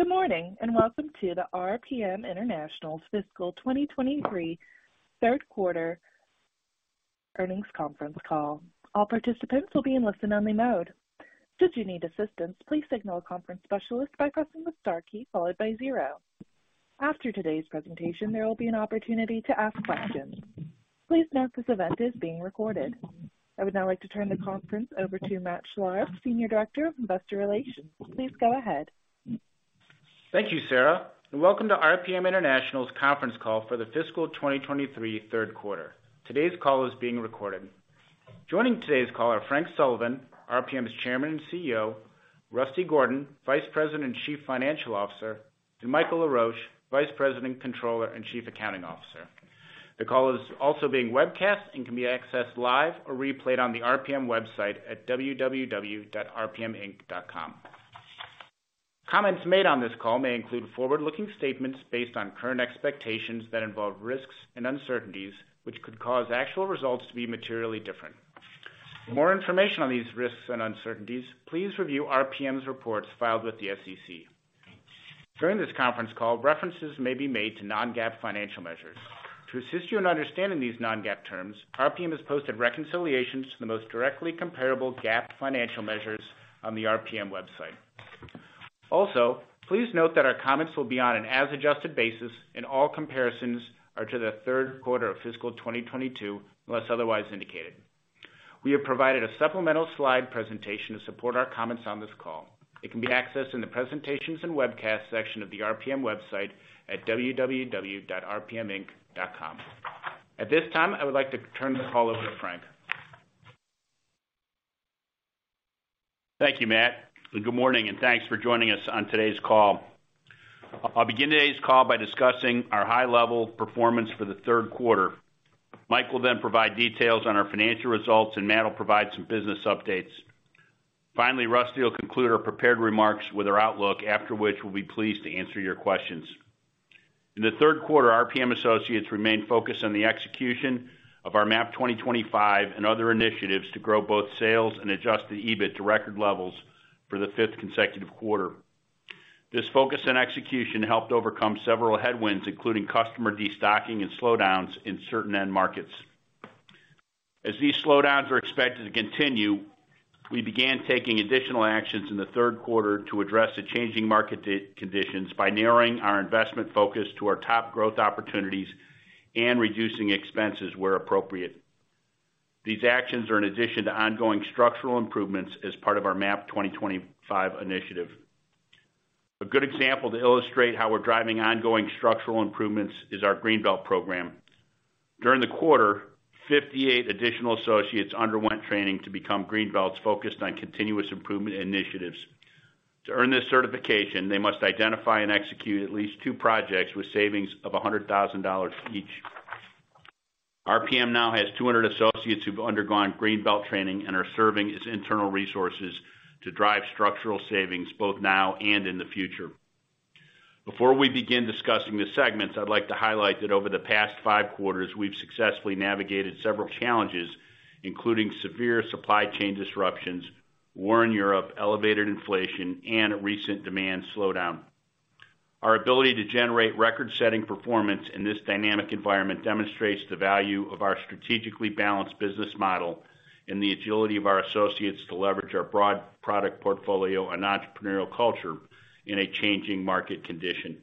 Good morning, and welcome to the RPM International Fiscal 2023 third quarter earnings conference call. All participants will be in listen-only mode. Should you need assistance, please signal a conference specialist by pressing the star key followed by zero. After today's presentation, there will be an opportunity to ask questions. Please note this event is being recorded. I would now like to turn the conference over to Matt Schlarb, Senior Director of Investor Relations. Please go ahead. Thank you, Sarah. Welcome to RPM International's conference call for the fiscal 2023 third quarter. Today's call is being recorded. Joining today's call are Frank Sullivan, RPM's Chairman and CEO, Rusty Gordon, Vice President and Chief Financial Officer, and Michael LaRoche, Vice President, Controller, and Chief Accounting Officer. The call is also being webcast and can be accessed live or replayed on the RPM website at www.rpminc.com. Comments made on this call may include forward-looking statements based on current expectations that involve risks and uncertainties, which could cause actual results to be materially different. More information on these risks and uncertainties, please review RPM's reports filed with the SEC. During this conference call, references may be made to non-GAAP financial measures. To assist you in understanding these non-GAAP terms, RPM has posted reconciliations to the most directly comparable GAAP financial measures on the RPM website. Also, please note that our comments will be on an as-adjusted basis, and all comparisons are to the third quarter of fiscal 2022, unless otherwise indicated. We have provided a supplemental slide presentation to support our comments on this call. It can be accessed in the Presentations and Webcast section of the RPM website at www.rpminc.com. At this time, I would like to turn the call over to Frank. Thank you, Matt. Thanks for joining us on today's call. I'll begin today's call by discussing our high-level performance for the third quarter. Mike will then provide details on our financial results, Matt will provide some business updates. Finally, Rusty will conclude our prepared remarks with our outlook, after which we'll be pleased to answer your questions. In the third quarter, RPM associates remained focused on the execution of our MAP 2025 and other initiatives to grow both sales and adjusted EBIT to record levels for the fifth consecutive quarter. This focus and execution helped overcome several headwinds, including customer destocking and slowdowns in certain end markets. As these slowdowns are expected to continue, we began taking additional actions in the third quarter to address the changing market conditions by narrowing our investment focus to our top growth opportunities and reducing expenses where appropriate. These actions are in addition to ongoing structural improvements as part of our MAP 2025 initiative. A good example to illustrate how we're driving ongoing structural improvements is our Green Belt program. During the quarter, 58 additional associates underwent training to become Green Belts focused on continuous improvement initiatives. To earn this certification, they must identify and execute at least two projects with savings of $100,000 each. RPM now has 200 associates who've undergone Green Belt training and are serving as internal resources to drive structural savings both now and in the future. Before we begin discussing the segments, I'd like to highlight that over the past five quarters, we've successfully navigated several challenges, including severe supply chain disruptions, war in Europe, elevated inflation, and a recent demand slowdown. Our ability to generate record-setting performance in this dynamic environment demonstrates the value of our strategically balanced business model and the agility of our associates to leverage our broad product portfolio and entrepreneurial culture in a changing market condition.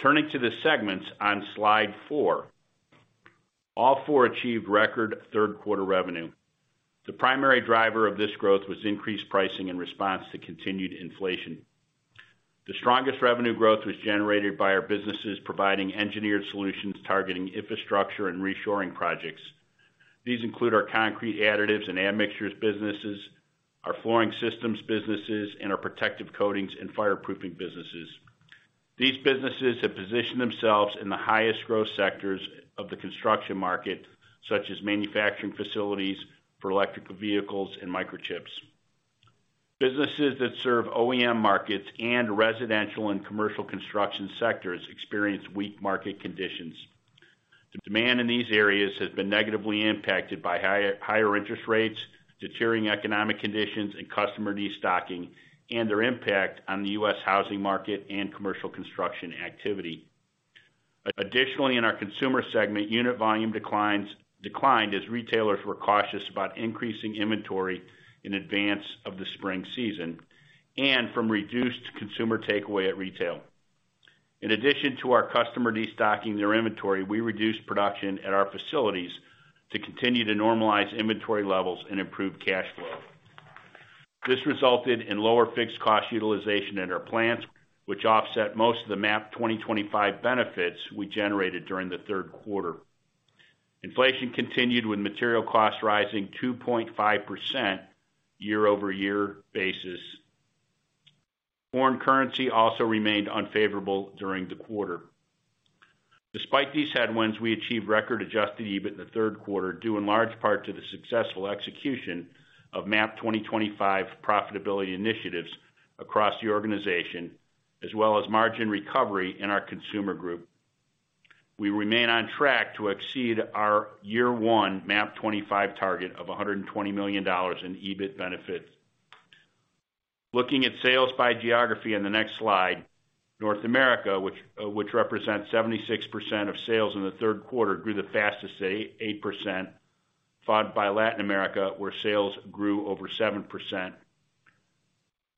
Turning to the segments on Slide four. All four achieved record third quarter revenue. The primary driver of this growth was increased pricing in response to continued inflation. The strongest revenue growth was generated by our businesses providing engineered solutions targeting infrastructure and reshoring projects. These include our concrete additives and admixtures businesses, our flooring systems businesses, and our protective coatings and fireproofing businesses. These businesses have positioned themselves in the highest growth sectors of the construction market, such as manufacturing facilities for electrical vehicles and microchips. Businesses that serve OEM markets and residential and commercial construction sectors experience weak market conditions. The demand in these areas has been negatively impacted by higher interest rates, deteriorating economic conditions, and customer destocking, their impact on the U.S. housing market and commercial construction activity. Additionally, in our consumer segment, unit volume declined as retailers were cautious about increasing inventory in advance of the spring season and from reduced consumer takeaway at retail. In addition to our customer destocking their inventory, we reduced production at our facilities to continue to normalize inventory levels and improve cash flow. This resulted in lower fixed cost utilization at our plants, which offset most of the MAP 2025 benefits we generated during the third quarter. Inflation continued with material costs rising 2.5% year-over-year basis. Foreign currency also remained unfavorable during the quarter. Despite these headwinds, we achieved record adjusted EBIT in the third quarter, due in large part to the successful execution of MAP 2025 profitability initiatives across the organization, as well as margin recovery in our Consumer Group. We remain on track to exceed our year one MAP 25 target of $120 million in EBIT benefits. Looking at sales by geography in the next slide, North America, which represents 76% of sales in the third quarter, grew the fastest at 8%, followed by Latin America, where sales grew over 7%.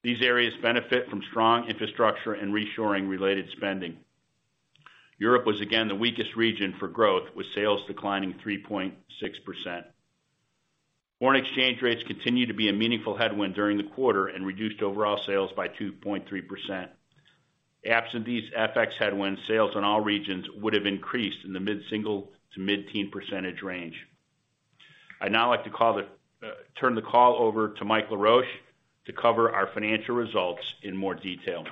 These areas benefit from strong infrastructure and reshoring related spending. Europe was again the weakest region for growth, with sales declining 3.6%. Foreign exchange rates continued to be a meaningful headwind during the quarter and reduced overall sales by 2.3%. Absent these FX headwinds, sales in all regions would have increased in the mid-single to mid-teen percentage range. I'd now like to turn the call over to Mike LaRoche to cover our financial results in more detail.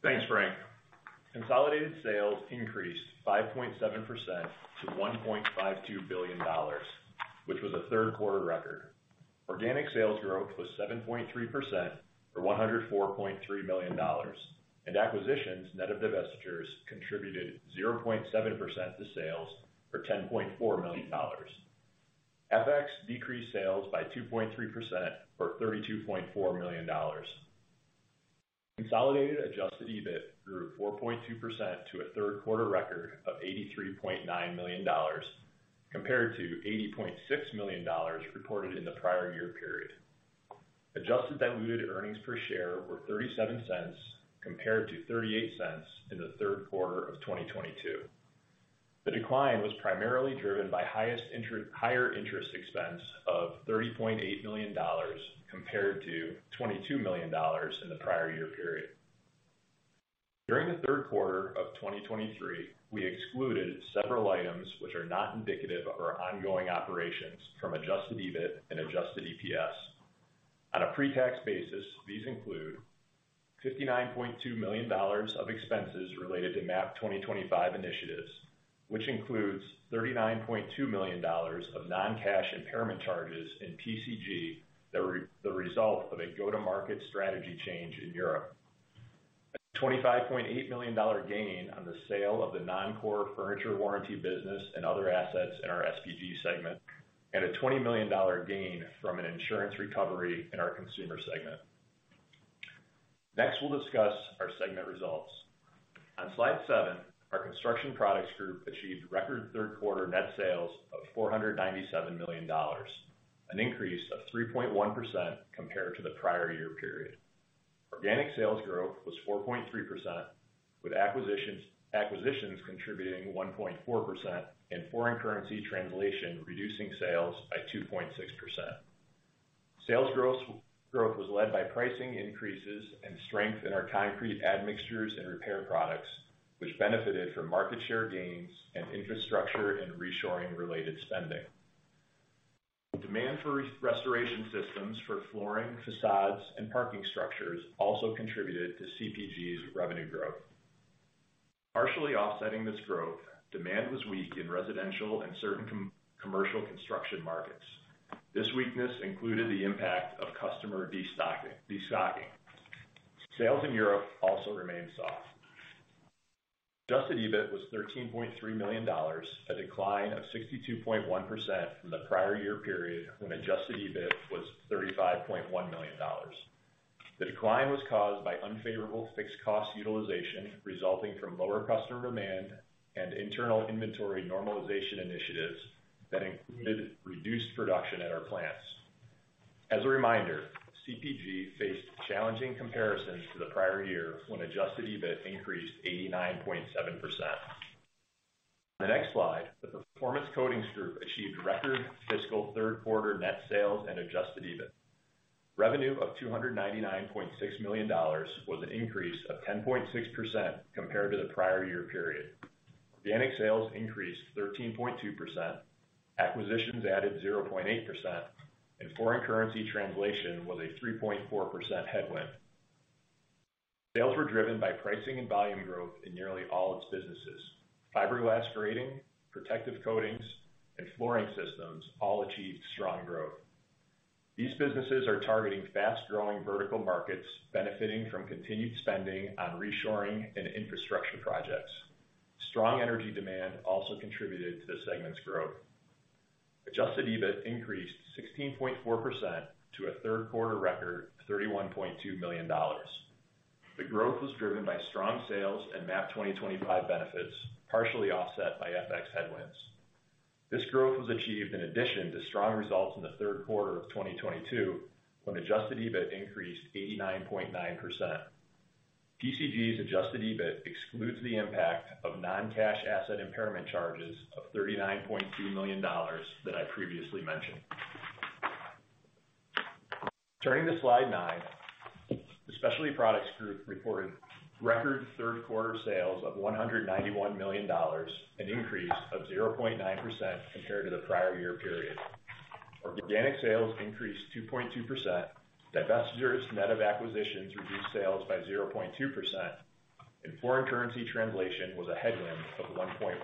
Thanks, Frank. Consolidated sales increased 5.7% to $1.52 billion, which was a 3rd quarter record. Organic sales growth was 7.3% or $104.3 million, and acquisitions, net of divestitures, contributed 0.7% to sales for $10.4 million. FX decreased sales by 2.3% for $32.4 million. Consolidated adjusted EBIT grew 4.2% to a 3rd quarter record of $83.9 million compared to $80.6 million reported in the prior year period. Adjusted diluted earnings per share were $0.37 compared to $0.38 in the 3rd quarter of 2022. The decline was primarily driven by higher interest expense of $30.8 million compared to $22 million in the prior year period. During the third quarter of 2023, we excluded several items which are not indicative of our ongoing operations from adjusted EBIT and adjusted EPS. On a pre-tax basis, these include $59.2 million of expenses related to MAP 2025 initiatives, which includes $39.2 million of non-cash impairment charges in PCG that were the result of a go-to-market strategy change in Europe. A $25.8 million gain on the sale of the non-core furniture warranty business and other assets in our SPG segment, and a $20 million gain from an insurance recovery in our consumer segment. Next, we'll discuss our segment results. On slide seven, our Construction Products Group achieved record third quarter net sales of $497 million, an increase of 3.1% compared to the prior year period. Organic sales growth was 4.3%, with acquisitions contributing 1.4%, and foreign currency translation reducing sales by 2.6%. Sales growth was led by pricing increases and strength in our concrete admixtures and repair products, which benefited from market share gains and infrastructure and reshoring related spending. Demand for restoration systems for flooring, facades, and parking structures also contributed to CPG's revenue growth. Partially offsetting this growth, demand was weak in residential and certain commercial construction markets. This weakness included the impact of customer destocking. Sales in Europe also remained soft. Adjusted EBIT was $13.3 million, a decline of 62.1% from the prior year period when Adjusted EBIT was $35.1 million. The decline was caused by unfavorable fixed cost utilization resulting from lower customer demand and internal inventory normalization initiatives that included reduced production at our plants. As a reminder, CPG faced challenging comparisons to the prior year when adjusted EBIT increased 89.7%. On the next slide, the Performance Coatings Group achieved record fiscal third quarter net sales and adjusted EBIT. Revenue of $299.6 million was an increase of 10.6% compared to the prior year period. Organic sales increased 13.2%, acquisitions added 0.8%, and foreign currency translation was a 3.4% headwind. Sales were driven by pricing and volume growth in nearly all its businesses. Fiberglass grating, protective coatings, and flooring systems all achieved strong growth. These businesses are targeting fast-growing vertical markets benefiting from continued spending on reshoring and infrastructure projects. Strong energy demand also contributed to the segment's growth. Adjusted EBIT increased 16.4% to a third quarter record $31.2 million. The growth was driven by strong sales and MAP 2025 benefits, partially offset by FX headwinds. This growth was achieved in addition to strong results in the third quarter of 2022, when Adjusted EBIT increased 89.9%. PCG's Adjusted EBIT excludes the impact of non-cash asset impairment charges of $39.2 million that I previously mentioned. Turning to slide nine. The Specialty Products Group reported record third quarter sales of $191 million, an increase of 0.9% compared to the prior year period. Organic sales increased 2.2%, divestitures net of acquisitions reduced sales by 0.2%, foreign currency translation was a headwind of 1.1%.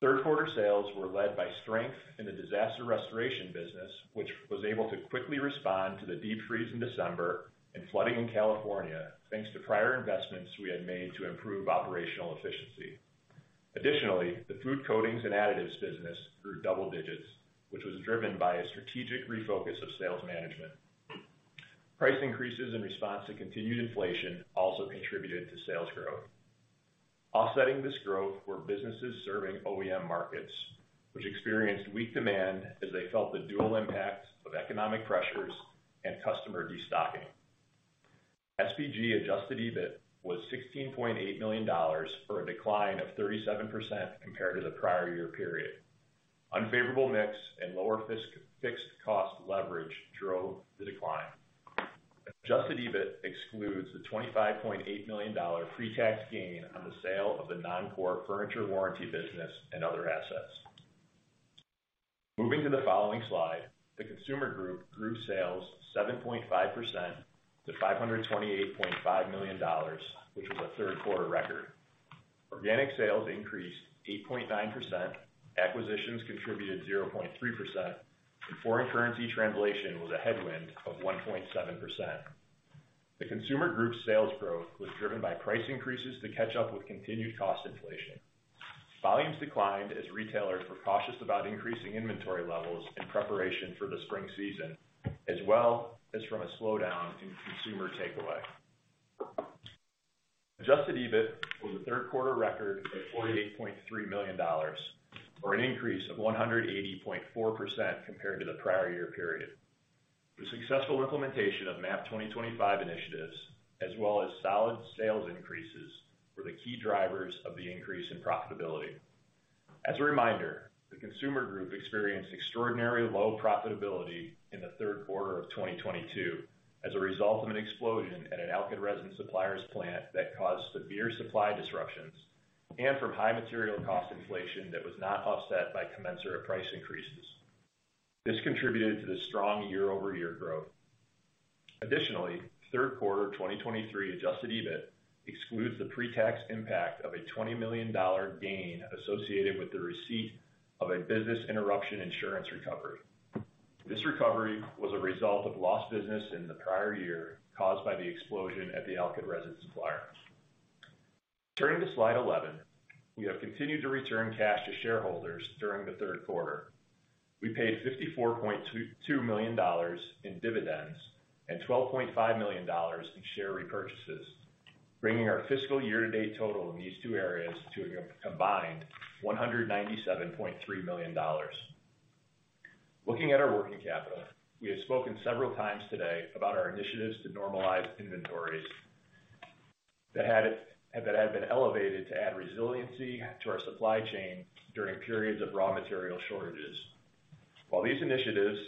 Third quarter sales were led by strength in the disaster restoration business, which was able to quickly respond to the deep freeze in December and flooding in California, thanks to prior investments we had made to improve operational efficiency. Additionally, the food coatings and additives business grew double digits, which was driven by a strategic refocus of sales management. Price increases in response to continued inflation also contributed to sales growth. Offsetting this growth were businesses serving OEM markets, which experienced weak demand as they felt the dual impacts of economic pressures and customer destocking. SPG adjusted EBIT was $16.8 million for a decline of 37% compared to the prior year period. Unfavorable mix and lower fixed cost leverage drove the decline. Adjusted EBIT excludes the $25.8 million pre-tax gain on the sale of the non-core furniture warranty business and other assets. Moving to the following slide, the Consumer Group grew sales 7.5% to $528.5 million, which was a third quarter record. Organic sales increased 8.9%, acquisitions contributed 0.3%, and foreign currency translation was a headwind of 1.7%. The Consumer Group's sales growth was driven by price increases to catch up with continued cost inflation. Volumes declined as retailers were cautious about increasing inventory levels in preparation for the spring season, as well as from a slowdown in consumer takeaway. Adjusted EBIT was a third quarter record of $48.3 million, or an increase of 180.4% compared to the prior year period. The successful implementation of MAP 2025 initiatives as well as solid sales increases were the key drivers of the increase in profitability. As a reminder, the Consumer Group experienced extraordinary low profitability in the third quarter of 2022 as a result of an explosion at an alkyd resin suppliers plant that caused severe supply disruptions and from high material cost inflation that was not offset by commensurate price increases. This contributed to the strong year-over-year growth. Additionally, third quarter of 2023 adjusted EBIT excludes the pre-tax impact of a $20 million gain associated with the receipt of a business interruption insurance recovery. This recovery was a result of lost business in the prior year, caused by the explosion at the alkyd resin supplier. Turning to slide 11, we have continued to return cash to shareholders during the third quarter. We paid $54.22 million in dividends and $12.5 million in share repurchases, bringing our fiscal year to date total in these two areas to a combined $197.3 million. Looking at our working capital, we have spoken several times today about our initiatives to normalize inventories that had been elevated to add resiliency to our supply chain during periods of raw material shortages. While these initiatives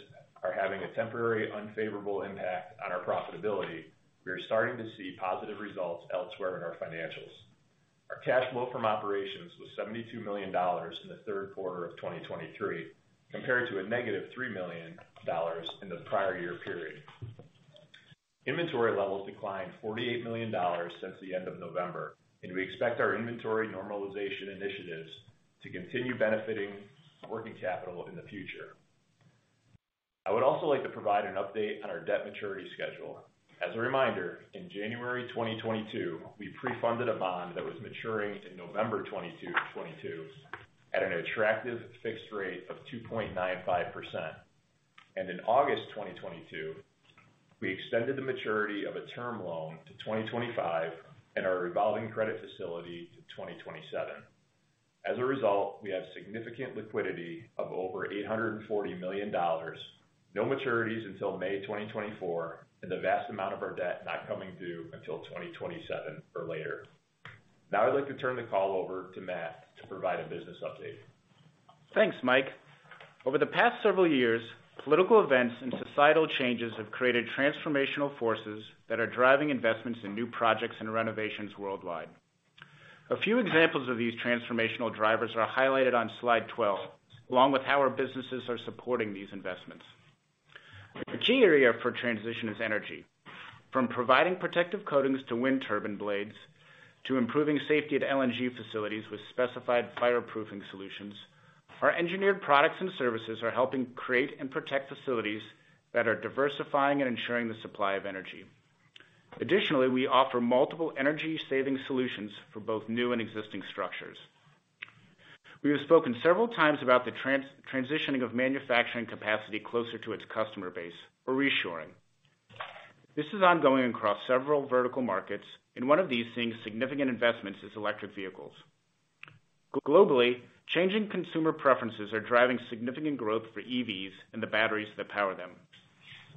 are having a temporary unfavorable impact on our profitability, we are starting to see positive results elsewhere in our financials. Our cash flow from operations was $72 million in the third quarter of 2023, compared to a negative $3 million in the prior year period. Inventory levels declined $48 million since the end of November, and we expect our inventory normalization initiatives to continue benefiting working capital in the future. I would also like to provide an update on our debt maturity schedule. As a reminder, in January 2022, we pre-funded a bond that was maturing in November 2022 at an attractive fixed rate of 2.95%. In August 2022, we extended the maturity of a term loan to 2025 and our revolving credit facility to 2027. As a result, we have significant liquidity of over $840 million, no maturities until May 2024, and the vast amount of our debt not coming due until 2027 or later. I'd like to turn the call over to Matt to provide a business update. Thanks, Mike. Over the past several years, political events and societal changes have created transformational forces that are driving investments in new projects and renovations worldwide. A few examples of these transformational drivers are highlighted on slide 12, along with how our businesses are supporting these investments. A key area for transition is energy. From providing protective coatings to wind turbine blades, to improving safety at LNG facilities with specified fireproofing solutions, our engineered products and services are helping create and protect facilities that are diversifying and ensuring the supply of energy. Additionally, we offer multiple energy-saving solutions for both new and existing structures. We have spoken several times about the transitioning of manufacturing capacity closer to its customer base, or reshoring. This is ongoing across several vertical markets, and one of these seeing significant investments is electric vehicles. Globally, changing consumer preferences are driving significant growth for EVs and the batteries that power them.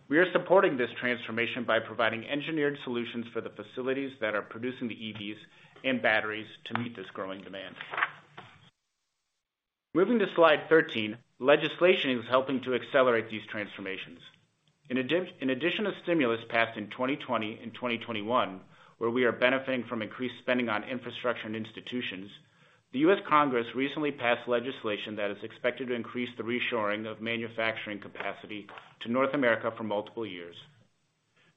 We are supporting this transformation by providing engineered solutions for the facilities that are producing the EVs and batteries to meet this growing demand. Moving to slide 13, legislation is helping to accelerate these transformations. In addition to stimulus passed in 2020 and 2021, where we are benefiting from increased spending on infrastructure and institutions, the U.S. Congress recently passed legislation that is expected to increase the reshoring of manufacturing capacity to North America for multiple years.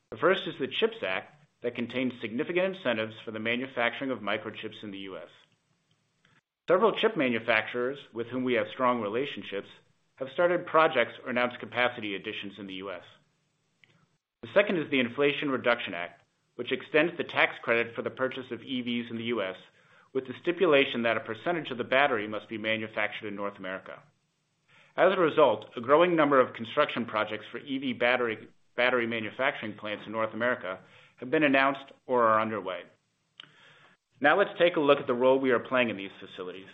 The first is the CHIPS Act that contains significant incentives for the manufacturing of microchips in the U.S. Several chip manufacturers with whom we have strong relationships have started projects or announced capacity additions in the U.S. The second is the Inflation Reduction Act, which extends the tax credit for the purchase of EVs in the U.S. with the stipulation that a percentage of the battery must be manufactured in North America. A growing number of construction projects for EV battery manufacturing plants in North America have been announced or are underway. Let's take a look at the role we are playing in these facilities.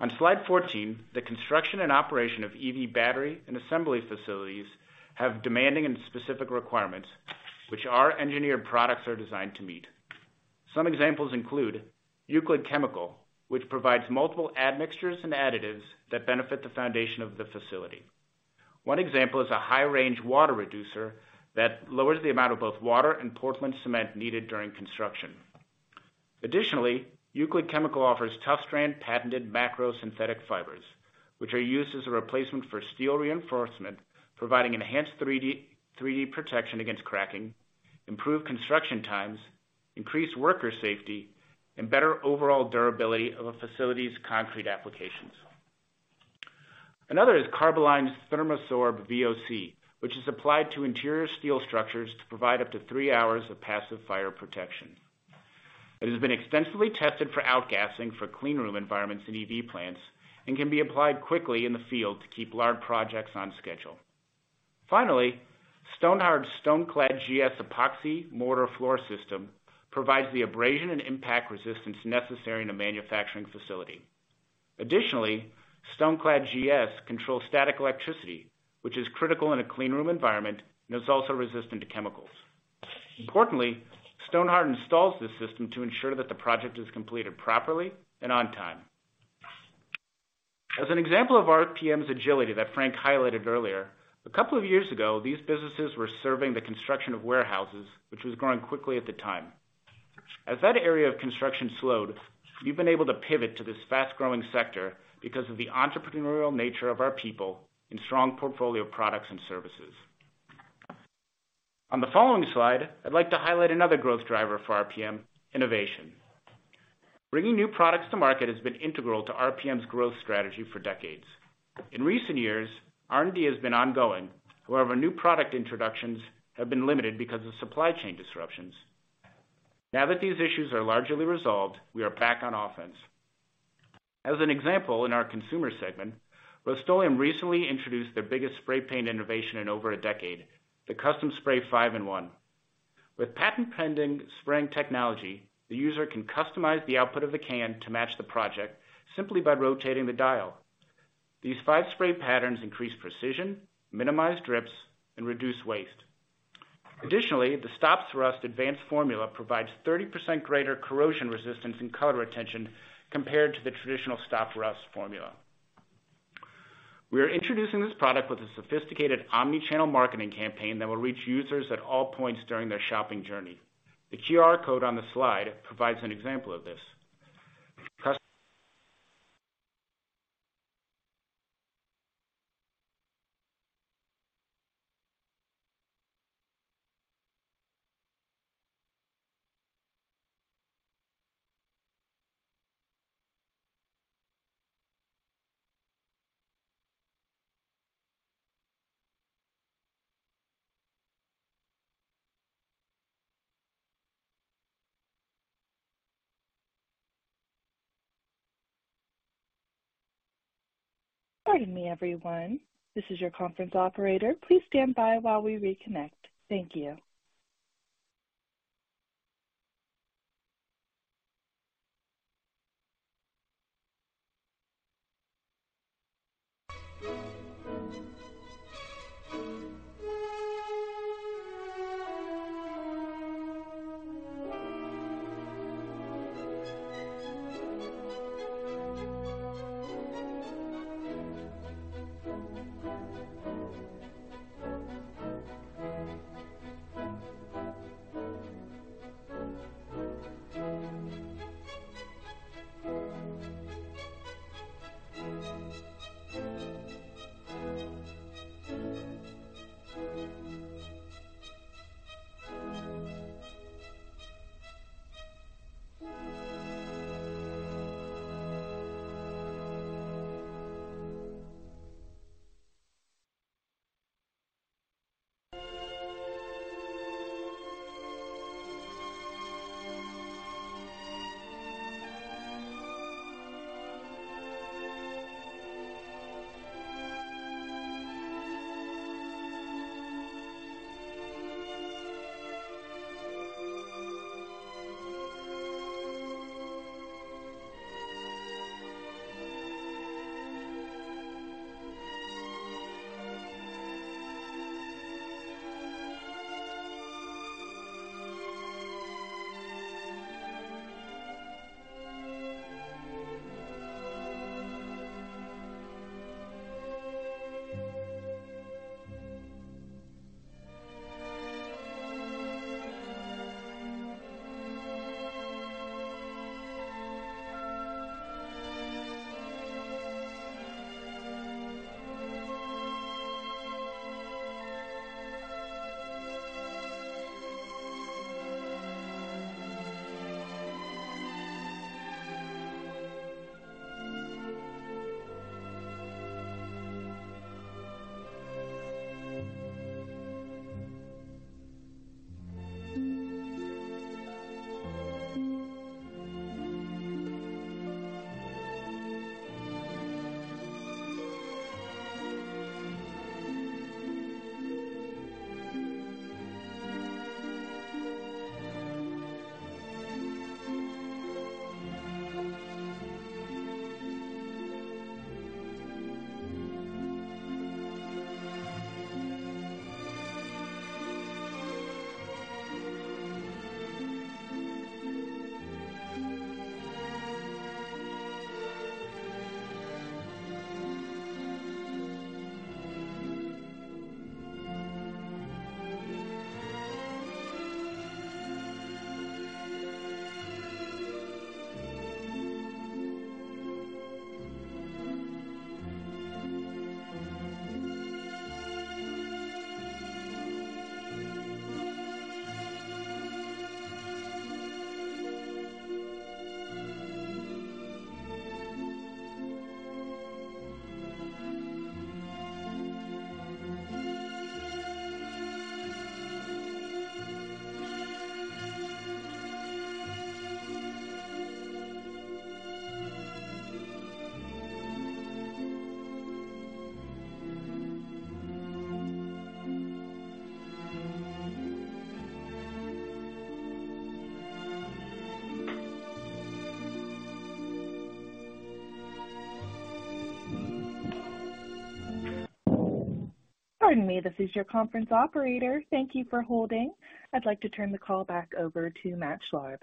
On slide 14, the construction and operation of EV battery and assembly facilities have demanding and specific requirements which our engineered products are designed to meet. Some examples include Euclid Chemical, which provides multiple admixtures and additives that benefit the foundation of the facility. One example is a high-range water reducer that lowers the amount of both water and Portland cement needed during construction. Additionally, Euclid Chemical offers TUF-STRAND patented macro synthetic fibers, which are used as a replacement for steel reinforcement, providing enhanced 3D protection against cracking, improved construction times, increased worker safety, and better overall durability of a facility's concrete applications. Another is Carboline's Thermo-Sorb VOC, which is applied to interior steel structures to provide up to three hours of passive fire protection. It has been extensively tested for outgassing for clean room environments in EV plants and can be applied quickly in the field to keep large projects on schedule. Finally, Stonhard's Stonclad GS epoxy mortar floor system provides the abrasion and impact resistance necessary in a manufacturing facility. Additionally, Stonclad GS controls static electricity, which is critical in a clean room environment and is also resistant to chemicals. Importantly, Stonhard installs this system to ensure that the project is completed properly and on time. As an example of RPM's agility that Frank highlighted earlier, a couple of years ago, these businesses were serving the construction of warehouses, which was growing quickly at the time. As that area of construction slowed, we've been able to pivot to this fast-growing sector because of the entrepreneurial nature of our people and strong portfolio of products and services. On the following slide, I'd like to highlight another growth driver for RPM: innovation. Bringing new products to market has been integral to RPM's growth strategy for decades. In recent years, R&D has been ongoing. However, new product introductions have been limited because of supply chain disruptions. Now that these issues are largely resolved, we are back on offense. As an example, in our consumer segment, Rust-Oleum recently introduced their biggest spray paint innovation in over a decade, the Custom Spray 5-in-1. With patent-pending spraying technology, the user can customize the output of the can to match the project simply by rotating the dial. These five spray patterns increase precision, minimize drips, and reduce waste. Additionally, the Stops Rust advanced formula provides 30% greater corrosion resistance and color retention compared to the traditional Stops Rust formula. We are introducing this product with a sophisticated omni-channel marketing campaign that will reach users at all points during their shopping journey. The QR code on the slide provides an example of this. Pardon me, everyone. This is your conference operator. Please stand by while we reconnect. Thank you. Pardon me. This is your conference operator. Thank you for holding. I'd like to turn the call back over to Matt Schlarb.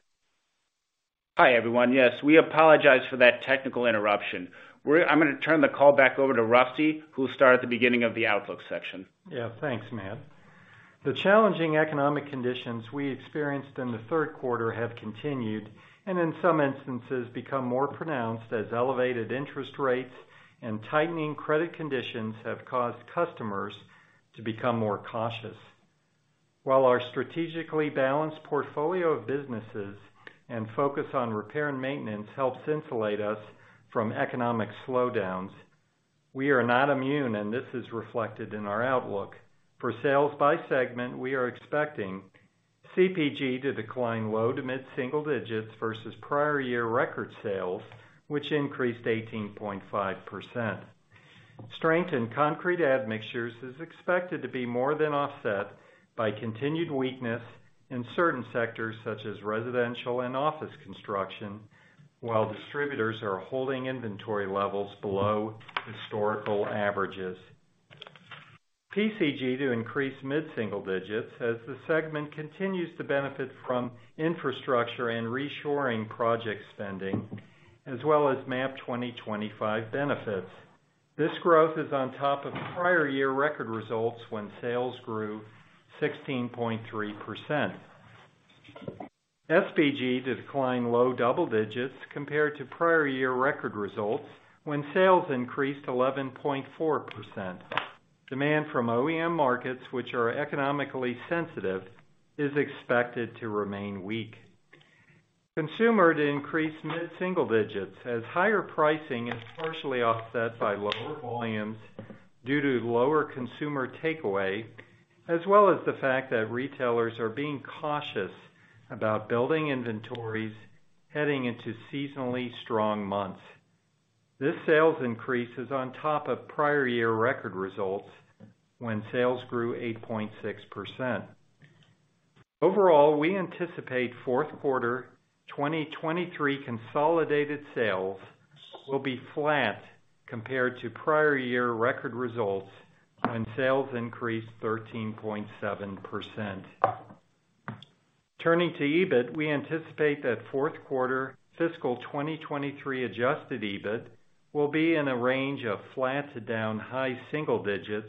Hi, everyone. Yes, we apologize for that technical interruption. I'm gonna turn the call back over to Rusty, who'll start at the beginning of the outlook section. Yeah, thanks, Matt. The challenging economic conditions we experienced in the 3rd quarter have continued and in some instances become more pronounced as elevated interest rates and tightening credit conditions have caused customers to become more cautious. While our strategically balanced portfolio of businesses and focus on repair and maintenance helps insulate us from economic slowdowns, we are not immune, and this is reflected in our outlook. For sales by segment, we are expecting CPG to decline low-to-mid single digits versus prior year record sales, which increased 18.5%. Strength in concrete admixtures is expected to be more than offset by continued weakness in certain sectors such as residential and office construction, while distributors are holding inventory levels below historical averages. PCG to increase mid-single digits as the segment continues to benefit from infrastructure and reshoring project spending, as well as MAP 2025 benefits. This growth is on top of prior year record results when sales grew 16.3%. SPG to decline low double digits compared to prior year record results when sales increased 11.4%. Demand from OEM markets, which are economically sensitive, is expected to remain weak. Consumer to increase mid-single digits as higher pricing is partially offset by lower volumes due to lower consumer takeaway, as well as the fact that retailers are being cautious about building inventories heading into seasonally strong months. This sales increase is on top of prior year record results when sales grew 8.6%. Overall, we anticipate fourth quarter 2023 consolidated sales will be flat compared to prior year record results when sales increased 13.7%. Turning to EBIT, we anticipate that fourth quarter fiscal 2023 adjusted EBIT will be in a range of flat-to-down high single digits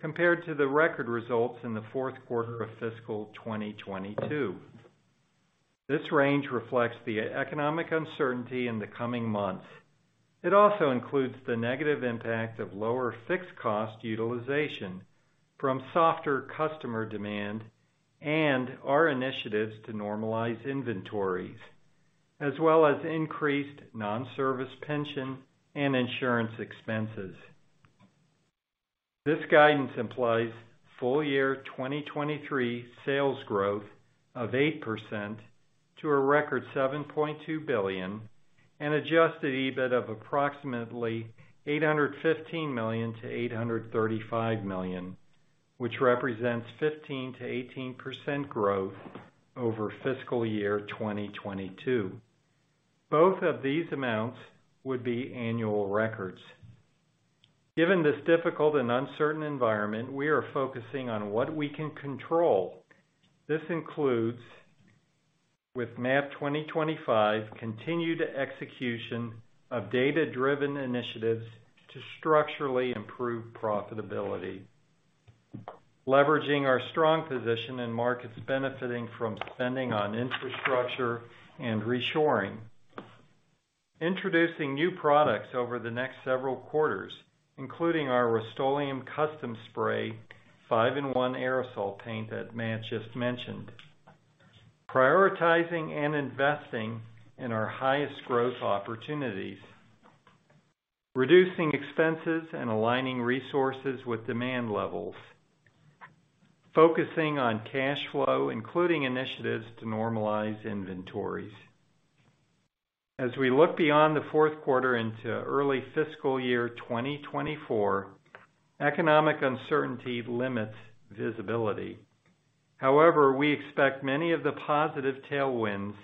compared to the record results in the fourth quarter of fiscal 2022. This range reflects the economic uncertainty in the coming months. It also includes the negative impact of lower fixed cost utilization from softer customer demand and our initiatives to normalize inventories, as well as increased non-service pension and insurance expenses. This guidance implies full year 2023 sales growth of 8% to a record $7.2 billion and adjusted EBIT of approximately $815 million-$835 million, which represents 15%-18% growth over fiscal year 2022. Both of these amounts would be annual records. Given this difficult and uncertain environment, we are focusing on what we can control. This includes, with MAP 2025, continued execution of data-driven initiatives to structurally improve profitability. Leveraging our strong position in markets benefiting from spending on infrastructure and reshoring. Introducing new products over the next several quarters, including our Rust-Oleum Custom Spray 5-in-1 aerosol paint that Matt just mentioned. Prioritizing and investing in our highest growth opportunities. Reducing expenses and aligning resources with demand levels. Focusing on cash flow, including initiatives to normalize inventories. As we look beyond the fourth quarter into early fiscal year 2024, economic uncertainty limits visibility. However, we expect many of the positive tailwinds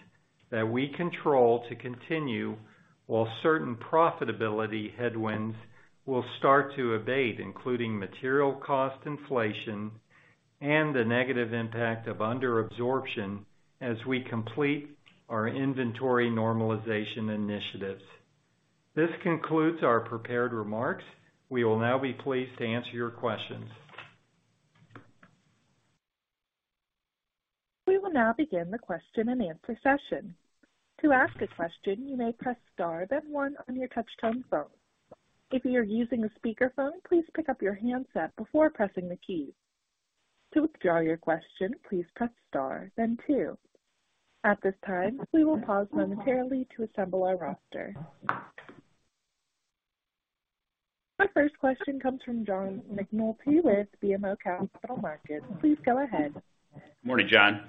that we control to continue, while certain profitability headwinds will start to abate, including material cost inflation and the negative impact of under absorption as we complete our inventory normalization initiatives. This concludes our prepared remarks. We will now be pleased to answer your questions. We will now begin the question-and-answer session. To ask a question, you may press star then one on your touchtone phone. If you are using a speakerphone, please pick up your handset before pressing the keys. To withdraw your question, please press star then two. At this time, we will pause momentarily to assemble our roster. Our first question comes from John McNulty with BMO Capital Markets. Please go ahead. Morning, John.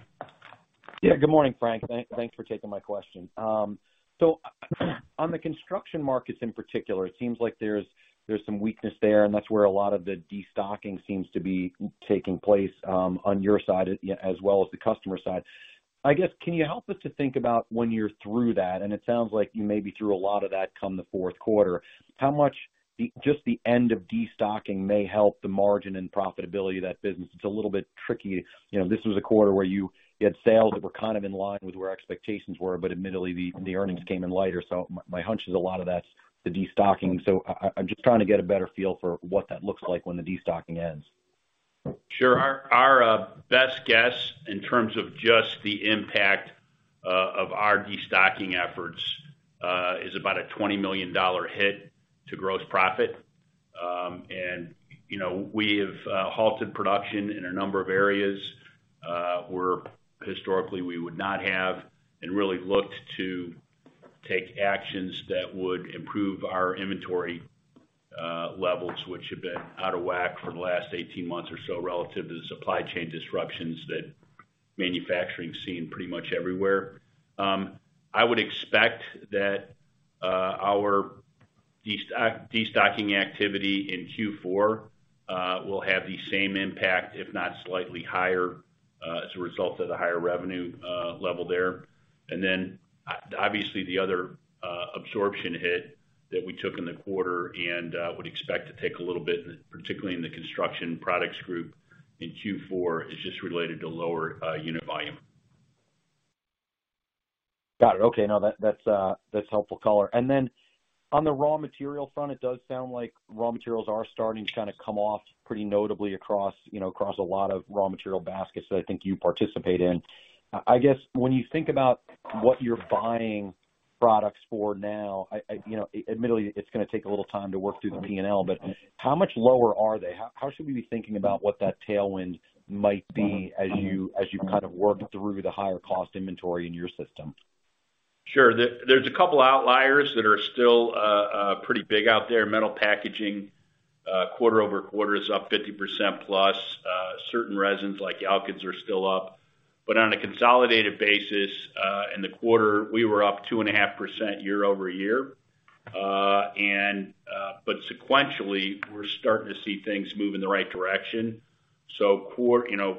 Good morning, Frank. Thanks for taking my question. On the construction markets in particular, it seems like there's some weakness there, and that's where a lot of the destocking seems to be taking place, on your side as well as the customer side. I guess, can you help us to think about when you're through that, and it sounds like you may be through a lot of that come the fourth quarter, how much the, just the end of destocking may help the margin and profitability of that business? It's a little bit tricky. You know, this was a quarter where you had sales that were kind of in line with where expectations were, admittedly, the earnings came in lighter. My hunch is a lot of that's the destocking. I'm just trying to get a better feel for what that looks like when the destocking ends. Sure. Our best guess in terms of just the impact of our destocking efforts is about a $20 million hit to gross profit. You know, we have halted production in a number of areas where historically we would not have and really looked to take actions that would improve our inventory levels, which have been out of whack for the last 18 months or so relative to the supply chain disruptions that manufacturing has seen pretty much everywhere. I would expect that our destocking activity in Q4 will have the same impact, if not slightly higher, as a result of the higher revenue level there. Obviously, the other absorption hit that we took in the quarter and would expect to take a little bit, particularly in the Construction Products Group in Q4, is just related to lower unit volume. Got it. Okay. No, that's helpful color. Then on the raw material front, it does sound like raw materials are starting to kind of come off pretty notably across, you know, across a lot of raw material baskets that I think you participate in. I guess when you think about what you're buying products for now, I, you know, admittedly, it's gonna take a little time to work through the P&L, but how much lower are they? How should we be thinking about what that tailwind might be as you kind of work through the higher cost inventory in your system? Sure. There's a couple outliers that are still pretty big out there. Metal packaging, quarter-over-quarter is up 50% plus. Certain resins like alkyds are still up. On a consolidated basis, in the quarter, we were up 2.5% year-over-year. Sequentially, we're starting to see things move in the right direction. Quarter, you know,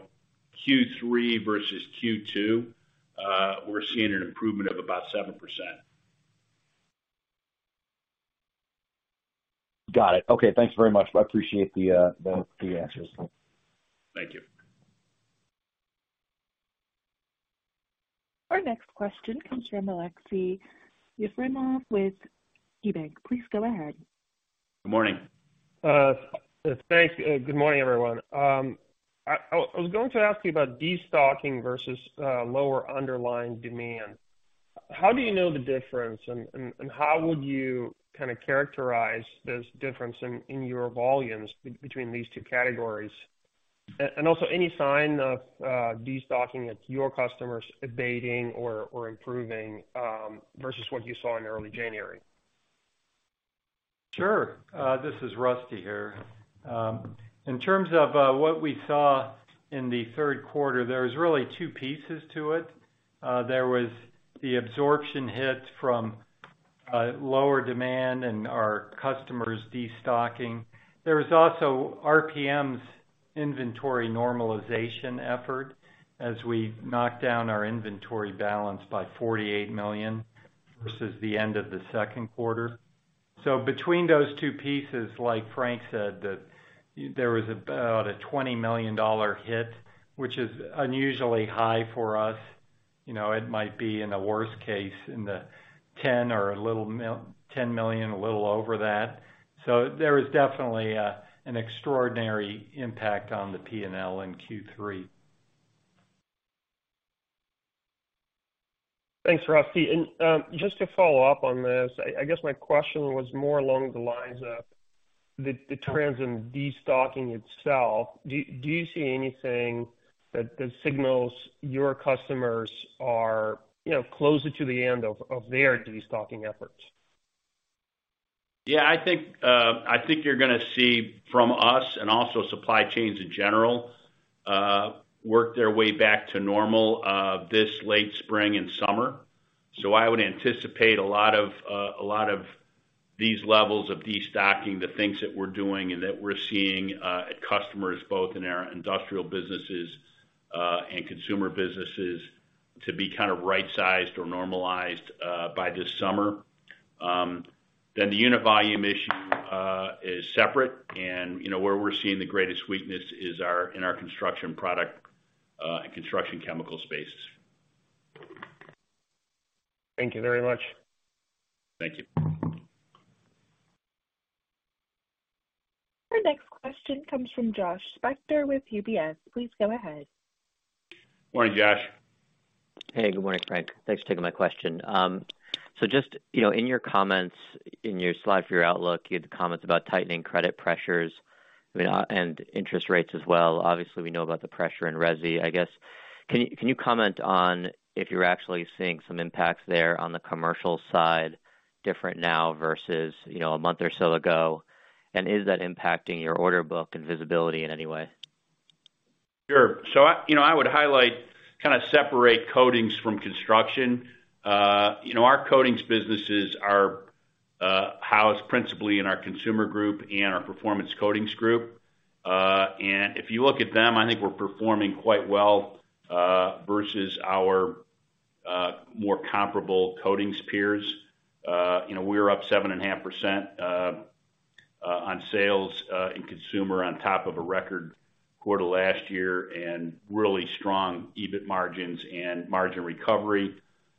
Q3 versus Q2, we're seeing an improvement of about 7%. Got it. Okay. Thanks very much. I appreciate the answers. Thank you. Our next question comes from Aleksey Yefremov with KeyBanc. Please go ahead. Good morning. Thanks. Good morning, everyone. I was going to ask you about destocking versus lower underlying demand. How do you know the difference, and how would you kinda characterize this difference in your volumes between these two categories? Also any sign of destocking at your customers abating or improving versus what you saw in early January? Sure. This is Rusty here. In terms of what we saw in the third quarter, there was really two pieces to it. There was the absorption hits from lower demand and our customers destocking. There was also RPM's inventory normalization effort as we knocked down our inventory balance by $48 million versus the end of the second quarter. Between those two pieces, like Frank said, there was about a $20 million hit, which is unusually high for us. You know, it might be in the worst case in the $10 million, a little over that. There is definitely an extraordinary impact on the P&L in Q3. Thanks, Rusty. Just to follow up on this, I guess my question was more along the lines of the trends in destocking itself. Do you see anything that signals your customers are, you know, closer to the end of their destocking efforts? Yeah, I think, I think you're gonna see from us and also supply chains in general, work their way back to normal, this late spring and summer. I would anticipate a lot of, a lot of these levels of destocking, the things that we're doing and that we're seeing, customers both in our industrial businesses, and consumer businesses to be kind of right-sized or normalized, by this summer. The unit volume issue, is separate. You know, where we're seeing the greatest weakness is in our construction product, and construction chemical spaces. Thank you very much. Thank you. Our next question comes from Josh Spector with UBS. Please go ahead. Morning, Josh. Hey, good morning, Frank. Thanks for taking my question. Just, you know, in your comments, in your slide for your outlook, you had the comments about tightening credit pressures, I mean, and interest rates as well. Obviously, we know about the pressure in resi. I guess, can you comment on if you're actually seeing some impacts there on the commercial side different now versus, you know, a month or so ago? Is that impacting your order book and visibility in any way? Sure. you know, I would highlight kind of separate coatings from construction. you know, our coatings businesses are housed principally in our Consumer Group and our Performance Coatings Group. If you look at them, I think we're performing quite well versus our more comparable coatings peers. you know, we're up 7.5% on sales in Consumer on top of a record quarter last year and really strong EBIT margins and margin recovery.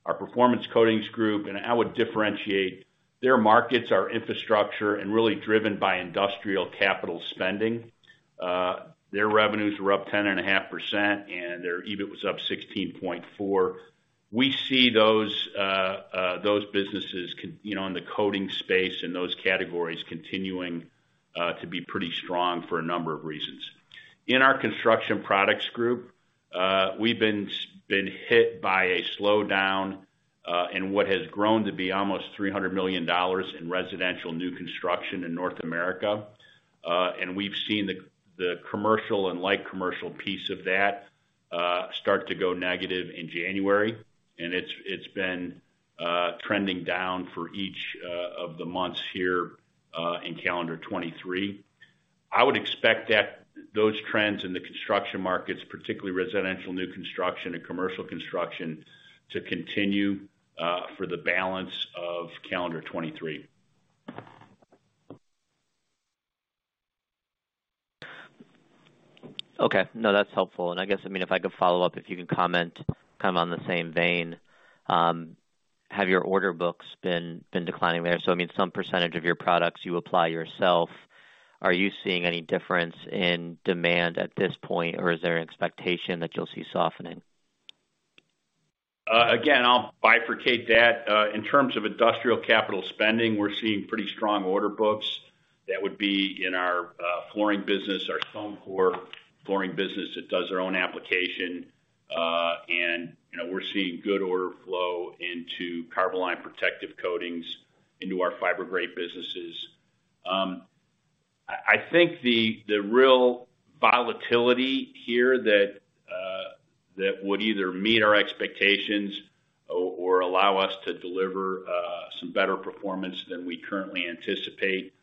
Our Performance Coatings Group, and I would differentiate their markets are infrastructure and really driven by industrial capital spending. Their revenues were up 10.5%, and their EBIT was up 16.4%. We see those, you know, those businesses in the coating space and those categories continuing to be pretty strong for a number of reasons. In our Construction Products Group, we've been hit by a slowdown in what has grown to be almost $300 million in residential new construction in North America. We've seen the commercial and light commercial piece of that start to go negative in January, and it's been trending down for each of the months here in calendar 2023. I would expect that those trends in the construction markets, particularly residential new construction and commercial construction, to continue for the balance of calendar 2023. Okay. No, that's helpful. I guess, I mean, if I could follow up, if you can comment kind of on the same vein, have your order books been declining there? I mean, some percentage of your products you apply yourself, are you seeing any difference in demand at this point, or is there an expectation that you'll see softening? Again, I'll bifurcate that. In terms of industrial capital spending, we're seeing pretty strong order books that would be in our flooring business, our foam core flooring business that does their own application. You know, we're seeing good order flow into Carboline protective coatings into our Fibergrate businesses. I think the real volatility here that would either meet our expectations or allow us to deliver some better performance than we currently anticipate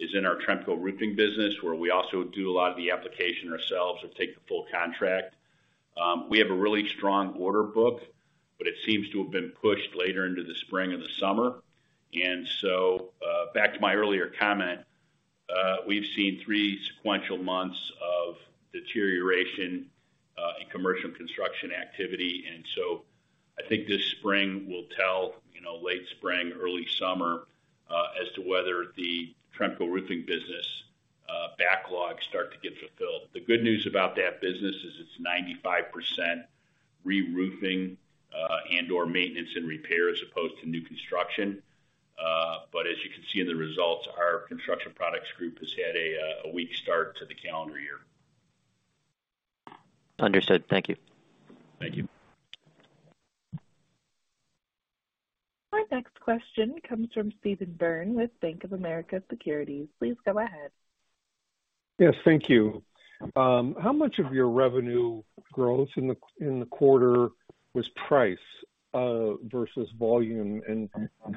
is in our Tremco Roofing business, where we also do a lot of the application ourselves or take the full contract. We have a really strong order book, but it seems to have been pushed later into the spring and the summer. Back to my earlier comment, we've seen three sequential months of deterioration in commercial construction activity. I think this spring will tell, you know, late spring, early summer, as to whether the Tremco Roofing business backlog start to get fulfilled. The good news about that business is it's 95% reroofing, and/or maintenance and repair as opposed to new construction. As you can see in the results, our Construction Products Group has had a weak start to the calendar year. Understood. Thank you. Thank you. Our next question comes from Steve Byrne with Bank of America Securities. Please go ahead. Yes. Thank you. How much of your revenue growth in the quarter was price versus volume?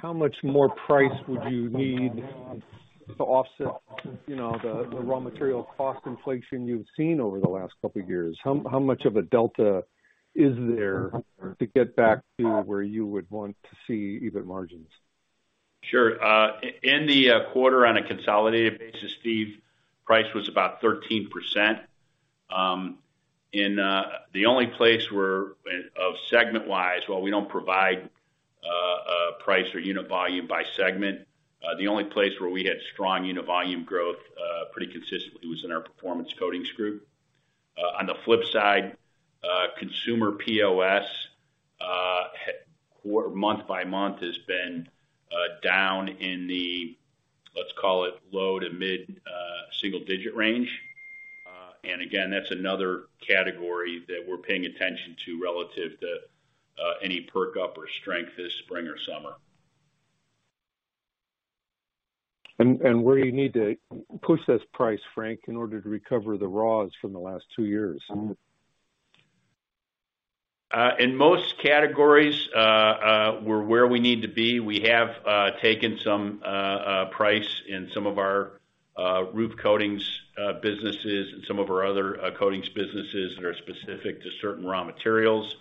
How much more price would you need to offset the raw material cost inflation you've seen over the last couple of years? How much of a delta is there to get back to where you would want to see EBIT margins? Sure. In the quarter on a consolidated basis, Steve, price was about 13%. In the only place where segment wise, while we don't provide price or unit volume by segment, the only place where we had strong unit volume growth pretty consistently was in our Performance Coatings Group. On the flip side, consumer POS or month-by-month has been down in the, let's call it low-to-mid single-digit range. Again, that's another category that we're paying attention to relative to any perk up or strength this spring or summer. Where do you need to push this price, Frank, in order to recover the raws from the last two years? In most categories, we're where we need to be. We have taken some price in some of our roof coatings businesses and some of our other coatings businesses that are specific to certain raw materials.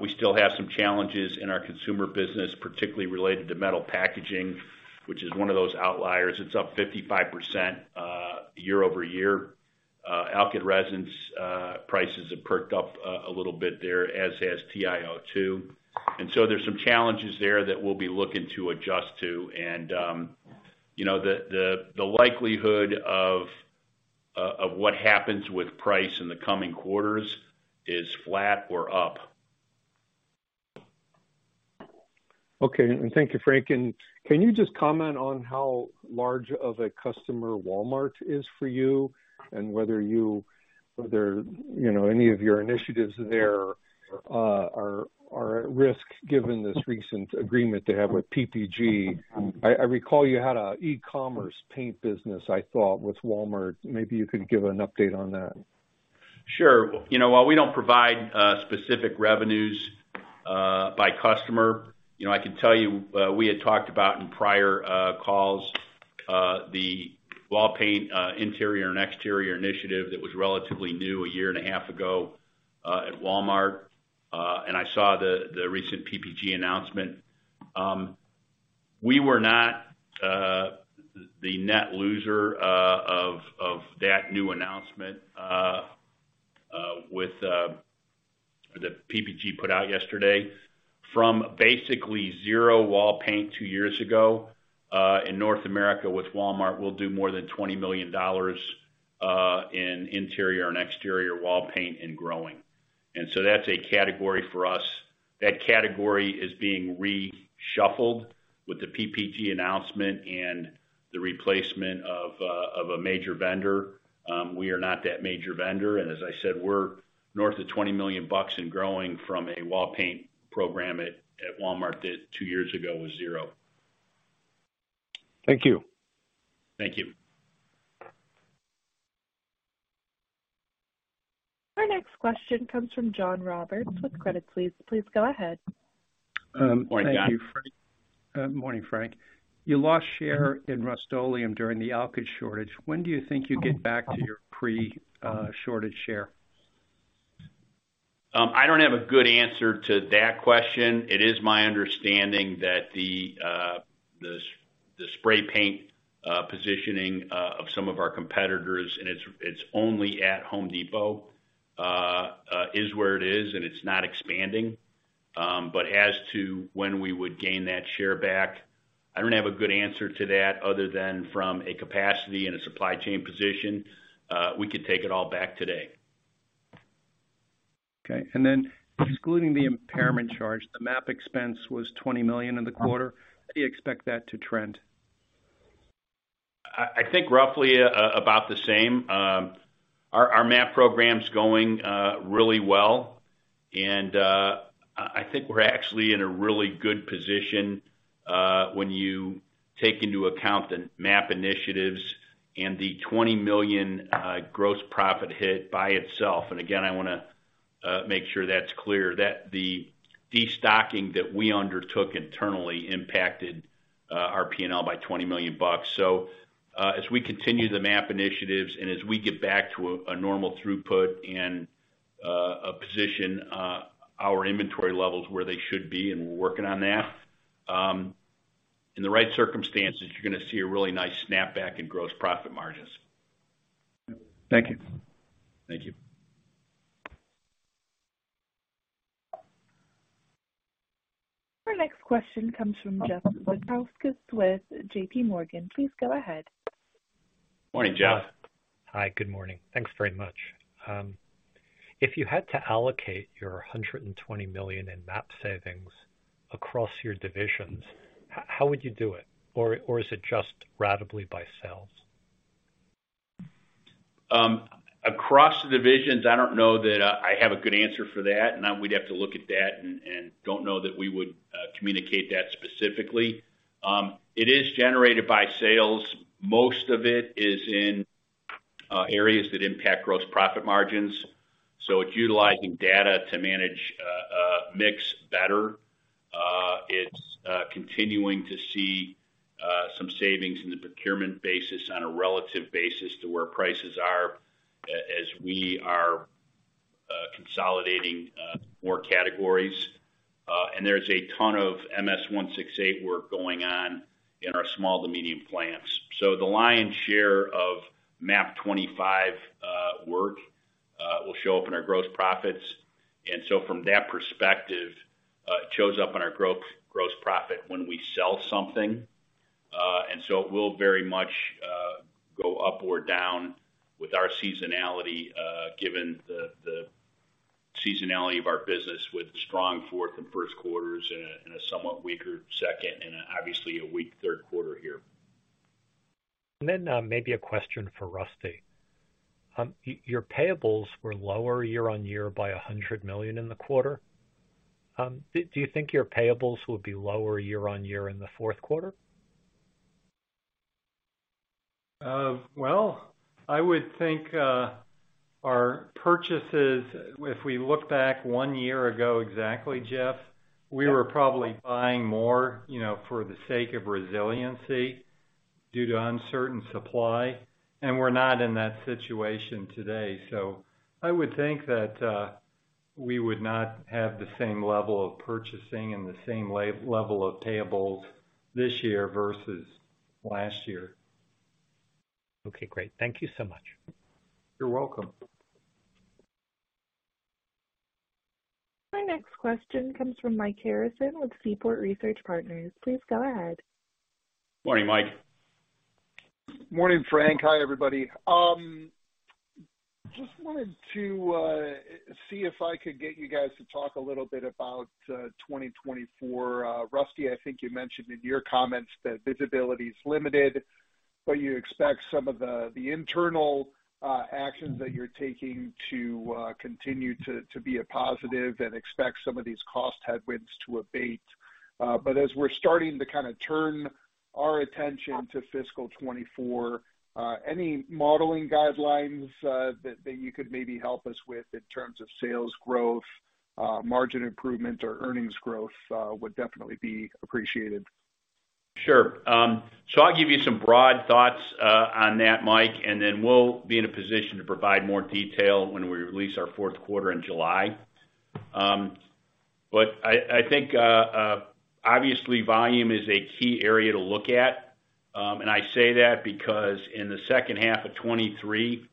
We still have some challenges in our consumer business, particularly related to metal packaging, which is one of those outliers. It's up 55%, year-over-year. alkyd resins, prices have perked up a little bit there, as has TIO2. There's some challenges there that we'll be looking to adjust to. You know, the likelihood of what happens with price in the coming quarters is flat or up. Okay. Thank you, Frank. Can you just comment on how large of a customer Walmart is for you and whether, you know, any of your initiatives there are at risk given this recent agreement they have with PPG? I recall you had a e-commerce paint business, I thought, with Walmart. Maybe you could give an update on that. Sure. You know, while we don't provide specific revenues by customer, you know, I can tell you, we had talked about in prior calls, the wall paint, interior and exterior initiative that was relatively new a year and a half ago, at Walmart. I saw the recent PPG announcement. We were not the net loser of that new announcement with that PPG put out yesterday. From basically zero wall paint two years ago, in North America with Walmart, we'll do more than $20 million in interior and exterior wall paint and growing. That's a category for us. That category is being reshuffled with the PPG announcement and the replacement of a major vendor. We are not that major vendor. As I said, we're north of $20 million and growing from a wall paint program at Walmart that two years ago was 0. Thank you. Thank you. Our next question comes from John Roberts with Credit Suisse. Please go ahead. Morning, John. Thank you, Frank. Morning, Frank. You lost share in Rust-Oleum during the alkyd shortage. When do you think you get back to your pre, shortage share? I don't have a good answer to that question. It is my understanding that the spray paint positioning of some of our competitors, and it's only at Home Depot, is where it is, and it's not expanding. As to when we would gain that share back, I don't have a good answer to that other than from a capacity and a supply chain position, we could take it all back today. Okay. Excluding the impairment charge, the MAP expense was $20 million in the quarter. How do you expect that to trend? I think roughly about the same. Our MAP program's going really well, and I think we're actually in a really good position when you take into account the MAP initiatives and the $20 million gross profit hit by itself. Again, I wanna make sure that's clear, that the destocking that we undertook internally impacted our P&L by $20 million. As we continue the MAP initiatives and as we get back to a normal throughput and position our inventory levels where they should be, and we're working on that, in the right circumstances, you're gonna see a really nice snapback in gross profit margins. Thank you. Thank you. Our next question comes from Jeff Zekauskas with JPMorgan. Please go ahead. Morning, Jeff. Hi. Good morning. Thanks very much. If you had to allocate your $120 million in MAP savings across your divisions, how would you do it? Or is it just ratably by sales? Across the divisions, I don't know that I have a good answer for that. Now, we'd have to look at that and don't know that we would communicate that specifically. It is generated by sales. Most of it is in areas that impact gross profit margins, so it's utilizing data to manage mix better. It's continuing to see some savings in the procurement basis on a relative basis to where prices are as we are consolidating more categories. There's a ton of MS-168 work going on in our small to medium plants. The lion's share of MAP 25 work will show up in our gross profits. From that perspective, it shows up on our gross profit when we sell something. It will very much go up or down with our seasonality, given the seasonality of our business with strong fourth and first quarters and a somewhat weaker second and obviously a weak third quarter here. Then, maybe a question for Rusty. Your payables were lower year-over-year by $100 million in the quarter. Do you think your payables will be lower year-over-year in the fourth quarter? Well, I would think, our purchases, if we look back one year ago exactly, Jeff, we were probably buying more, you know, for the sake of resiliency due to uncertain supply, and we're not in that situation today. I would think that, we would not have the same level of purchasing and the same level of payables this year versus last year. Okay, great. Thank you so much. You're welcome. My next question comes from Mike Harrison with Seaport Research Partners. Please go ahead. Morning, Mike. Morning, Frank. Hi, everybody. just wanted to see if I could get you guys to talk a little bit about 2024. Rusty, I think you mentioned in your comments that visibility is limited, but you expect some of the internal actions that you're taking to continue to be a positive and expect some of these cost headwinds to abate. As we're starting to kinda turn our attention to fiscal 2024, any modeling guidelines that you could maybe help us with in terms of sales growth, margin improvement or earnings growth would definitely be appreciated. Sure. I'll give you some broad thoughts on that, Mike, and then we'll be in a position to provide more detail when we release our fourth quarter in July. I think obviously volume is a key area to look at. I say that because in the second half of 2023,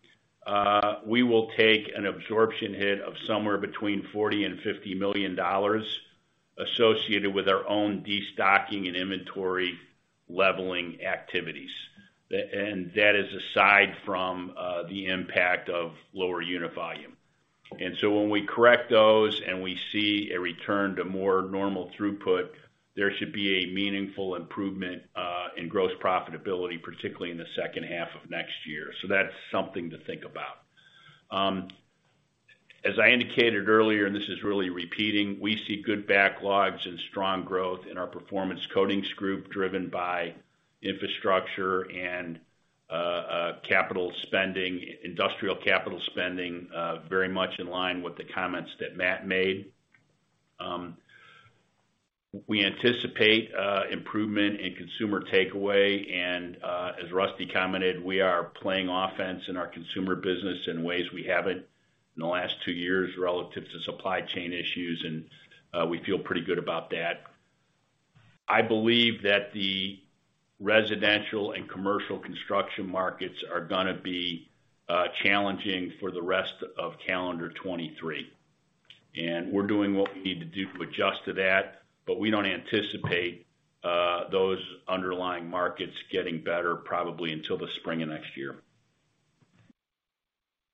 we will take an absorption hit of somewhere between $40 million and $50 million associated with our own destocking and inventory leveling activities. That is aside from the impact of lower unit volume. When we correct those and we see a return to more normal throughput, there should be a meaningful improvement in gross profitability, particularly in the second half of next year. That's something to think about. As I indicated earlier, and this is really repeating, we see good backlogs and strong growth in our Performance Coatings Group, driven by infrastructure and capital spending, industrial capital spending, very much in line with the comments that Matt made. We anticipate improvement in consumer takeaway and, as Rusty commented, we are playing offense in our consumer business in ways we haven't in the last two years relative to supply chain issues, and we feel pretty good about that. I believe that the residential and commercial construction markets are going to be challenging for the rest of calendar 2023, and we're doing what we need to do to adjust to that, but we don't anticipate those underlying markets getting better probably until the spring of next year.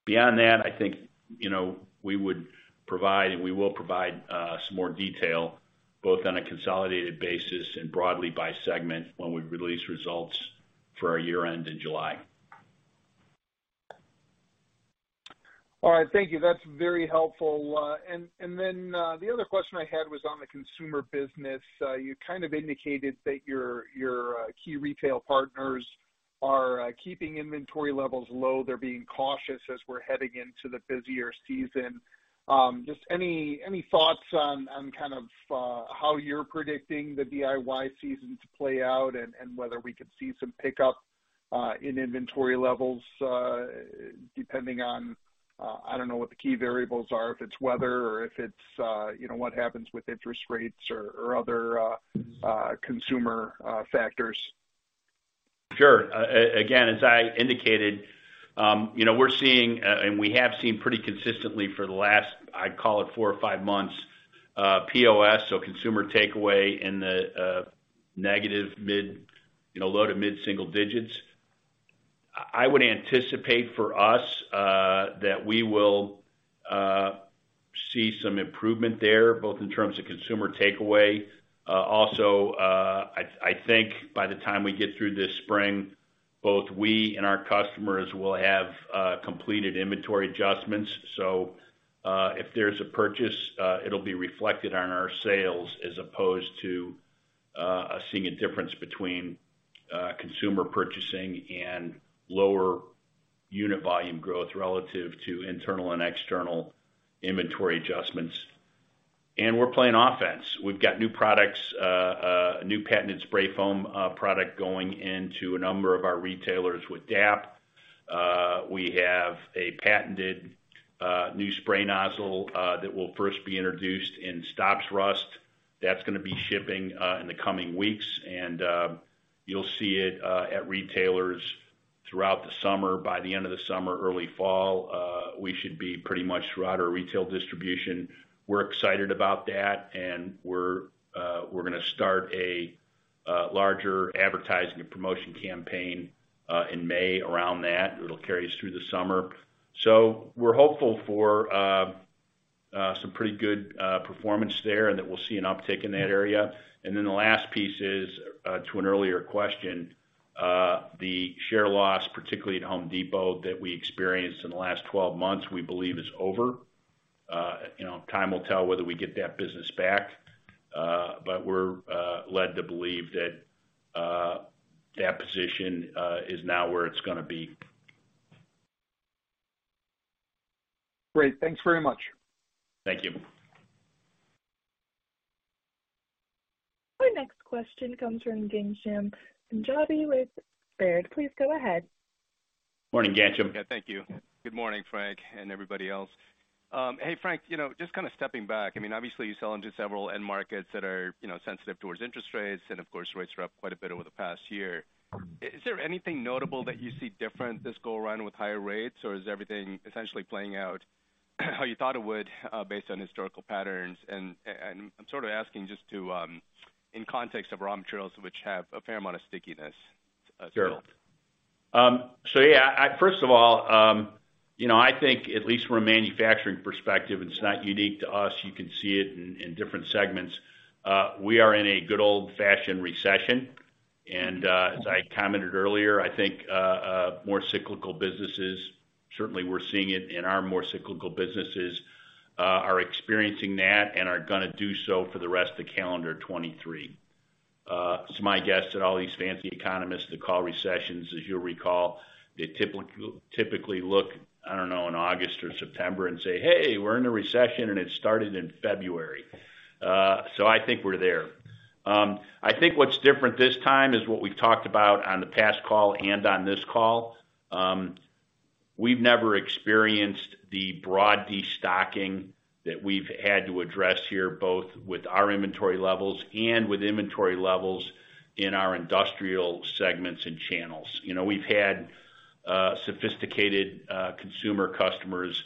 Beyond that, I think, you know, we would provide, and we will provide, some more detail both on a consolidated basis and broadly by segment when we release results for our year-end in July. All right. Thank you. That's very helpful. The other question I had was on the consumer business. You kind of indicated that your key retail partners are, keeping inventory levels low. They're being cautious as we're heading into the busier season. Just any thoughts on kind of, how you're predicting the DIY season to play out and whether we could see some pickup, in inventory levels, depending on, I don't know, what the key variables are, if it's weather or if it's, you know, what happens with interest rates or other, consumer, factors? Sure. Again, as I indicated, you know, we're seeing, and we have seen pretty consistently for the last, I'd call it four or five months, POS, so consumer takeaway in the negative mid, you know, low to mid single digits. I would anticipate for us that we will see some improvement there, both in terms of consumer takeaway. Also, I think by the time we get through this spring, both we and our customers will have completed inventory adjustments. If there's a purchase, it'll be reflected on our sales as opposed to us seeing a difference between consumer purchasing and lower unit volume growth relative to internal and external inventory adjustments. We're playing offense. We've got new products, a new patented spray foam product going into a number of our retailers with DAP. We have a patented new spray nozzle that will first be introduced in Stops Rust. That's gonna be shipping in the coming weeks. You'll see it at retailers throughout the summer. By the end of the summer or early fall, we should be pretty much throughout our retail distribution. We're excited about that, and we're gonna start a larger advertising and promotion campaign in May around that. It'll carry us through the summer. We're hopeful for some pretty good performance there and that we'll see an uptick in that area. The last piece is, to an earlier question, the share loss, particularly at Home Depot, that we experienced in the last 12 months, we believe is over. You know, time will tell whether we get that business back, but we're led to believe that that position is now where it's gonna be. Great. Thanks very much. Thank you. Our next question comes from Ghansham Panjabi with Baird. Please go ahead. Morning, Ghansham. Yeah. Thank you. Good morning, Frank and everybody else. Hey, Frank, you know, just kind of stepping back, I mean, obviously you sell into several end markets that are, you know, sensitive towards interest rates, and of course, rates are up quite a bit over the past year. Is there anything notable that you see different this go around with higher rates, or is everything essentially playing out how you thought it would, based on historical patterns? I'm sort of asking just to, in context of raw materials, which have a fair amount of stickiness, as well. Sure. Yeah. First of all, you know, I think at least from a manufacturing perspective, it's not unique to us. You can see it in different segments. We are in a good old-fashioned recession. As I commented earlier, I think more cyclical businesses, certainly we're seeing it in our more cyclical businesses, are experiencing that and are gonna do so for the rest of the calendar 2023. It's my guess that all these fancy economists that call recessions, as you'll recall, they typically look, I don't know, in August or September and say, "Hey, we're in a recession," and it started in February. I think we're there. I think what's different this time is what we talked about on the past call and on this call. We've never experienced the broad destocking that we've had to address here, both with our inventory levels and with inventory levels in our industrial segments and channels. You know, we've had sophisticated consumer customers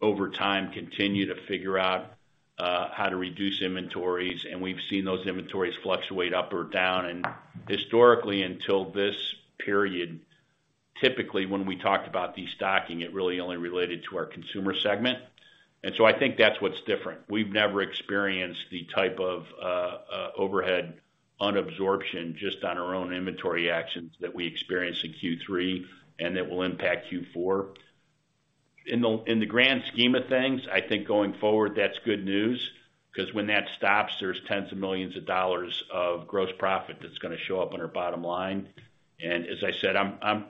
over time continue to figure out how to reduce inventories, and we've seen those inventories fluctuate up or down. Historically, until this period, typically, when we talked about destocking, it really only related to our consumer segment. So I think that's what's different. We've never experienced the type of overhead unabsorption just on our own inventory actions that we experienced in Q3, and that will impact Q4. In the grand scheme of things, I think going forward, that's good news, 'cause when that stops, there's tens of millions of dollars of gross profit that's gonna show up on our bottom line. As I said, I'm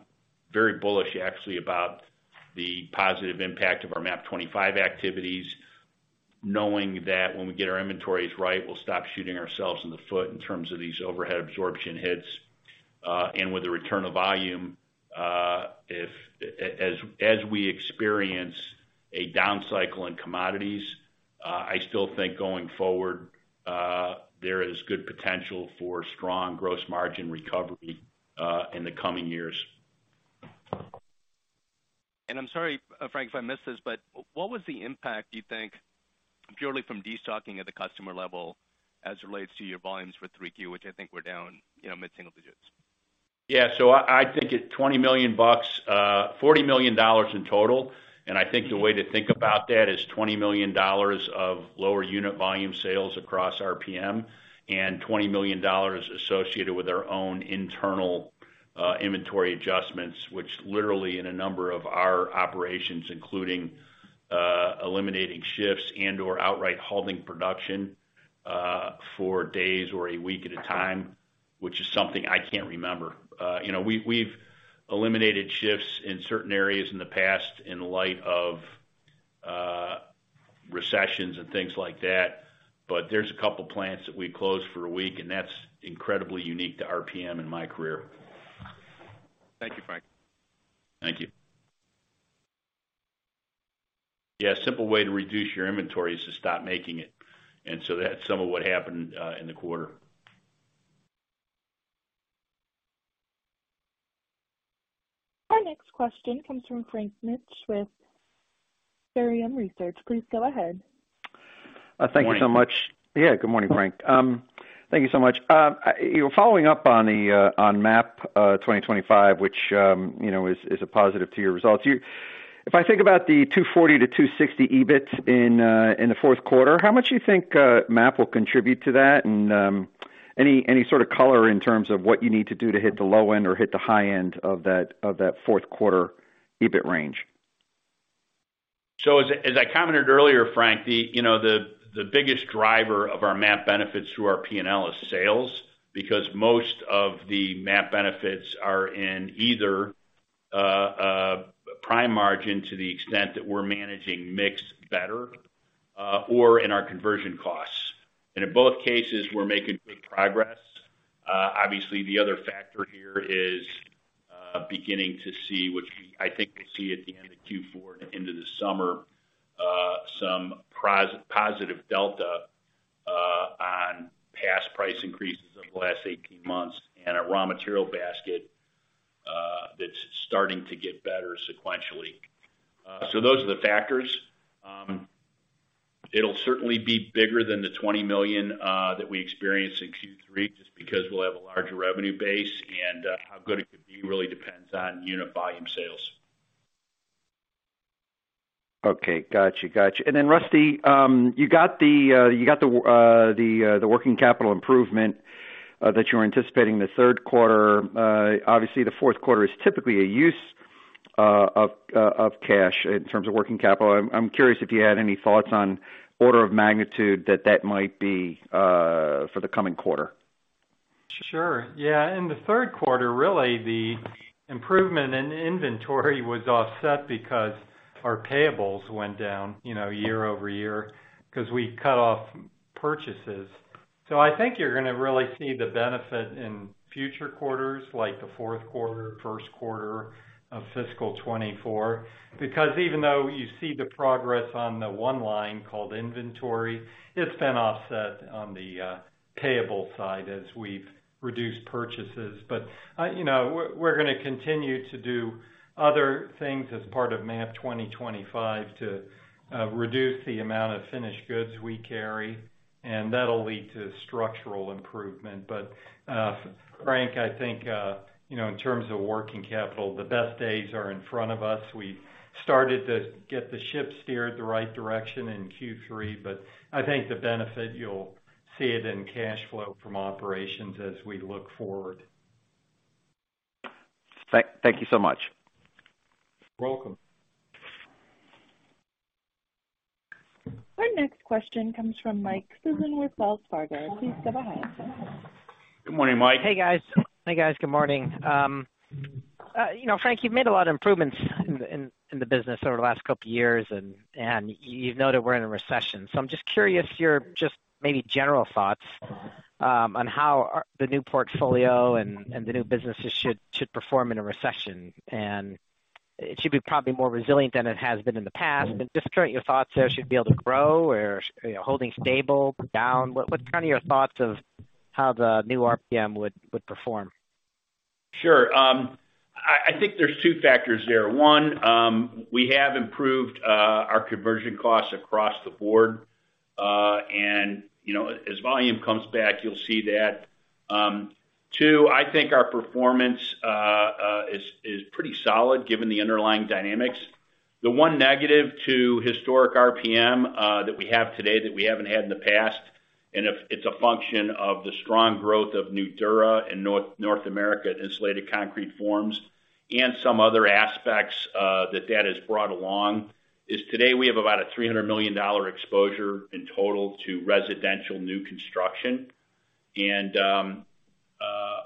very bullish actually about the positive impact of our MAP 2025 activities, knowing that when we get our inventories right, we'll stop shooting ourselves in the foot in terms of these overhead absorption hits. And with the return of volume, as we experience a down cycle in commodities, I still think going forward, there is good potential for strong gross margin recovery in the coming years. I'm sorry, Frank, if I missed this, but what was the impact, you think, purely from destocking at the customer level as it relates to your volumes for 3Q, which I think were down, you know, mid-single digits? Yeah. I think at $20 million, $40 million in total. I think the way to think about that is $20 million of lower unit volume sales across RPM and $20 million associated with our own internal inventory adjustments, which literally in a number of our operations, including eliminating shifts and/or outright halting production for days or a week at a time, which is something I can't remember. You know, we've eliminated shifts in certain areas in the past in light of recessions and things like that. There's a couple plants that we closed for a week. That's incredibly unique to RPM in my career. Thank you, Frank. Thank you. Yeah, a simple way to reduce your inventory is to stop making it. That's some of what happened in the quarter. Our next question comes from Frank Mitsch with Fermium Research. Please go ahead. Morning. Thank you so much. Yeah. Good morning, Frank. Thank you so much. You know, following up on the MAP 2025, which, you know, is a positive to your results. If I think about the $240 million-$260 million EBIT in the fourth quarter, how much do you think MAP will contribute to that? Any sort of color in terms of what you need to do to hit the low end or hit the high end of that fourth quarter EBIT range? As, as I commented earlier, Frank, you know, the biggest driver of our MAP benefits through our P&L is sales because most of the MAP benefits are in either prime margin to the extent that we're managing mix better, or in our conversion costs. In both cases, we're making good progress. Obviously, the other factor here is beginning to see which I think we see at the end of Q4 into the summer, some positive delta on past price increases over the last 18 months, and a raw material basket that's starting to get better sequentially. Those are the factors. It'll certainly be bigger than the $20 million that we experienced in Q3 just because we'll have a larger revenue base, and how good it could be really depends on unit volume sales. Okay. Gotcha. Then Rusty, you got the working capital improvement that you're anticipating the third quarter. Obviously, the fourth quarter is typically a use of cash in terms of working capital. I'm curious if you had any thoughts on order of magnitude that might be for the coming quarter? Sure. Yeah. In the third quarter, really, the improvement in inventory was offset because our payables went down, you know, year-over-year 'cause we cut off purchases. I think you're gonna really see the benefit in future quarters, like the fourth quarter, first quarter of fiscal 2024. Even though you see the progress on the one line called inventory, it's been offset on the payable side as we've reduced purchases. You know, we're gonna continue to do other things as part of MAP 2025 to reduce the amount of finished goods we carry, and that'll lead to structural improvement. Frank, I think, you know, in terms of working capital, the best days are in front of us. We started to get the ship steered the right direction in Q3, but I think the benefit you'll see it in cash flow from operations as we look forward. Thank you so much. You're welcome. Our next question comes from Mike Sison with Wells Fargo. Please go ahead. Good morning, Mike. Hey, guys. Good morning. You know, Frank, you've made a lot of improvements in the business over the last couple of years, and you've noted we're in a recession. I'm just curious your just maybe general thoughts on how the new portfolio and the new businesses should perform in a recession. It should be probably more resilient than it has been in the past. Just current your thoughts there. Should it be able to grow or, you know, holding stable, down? What's kind of your thoughts of how the new RPM would perform? Sure. I think there's two factors there. One, we have improved our conversion costs across the board. You know, as volume comes back, you'll see that. Two, I think our performance is pretty solid given the underlying dynamics. The one negative to historic RPM that we have today that we haven't had in the past, and if it's a function of the strong growth of Nudura in North America insulated concrete forms and some other aspects that has brought along, is today we have about a $300 million exposure in total to residential new construction.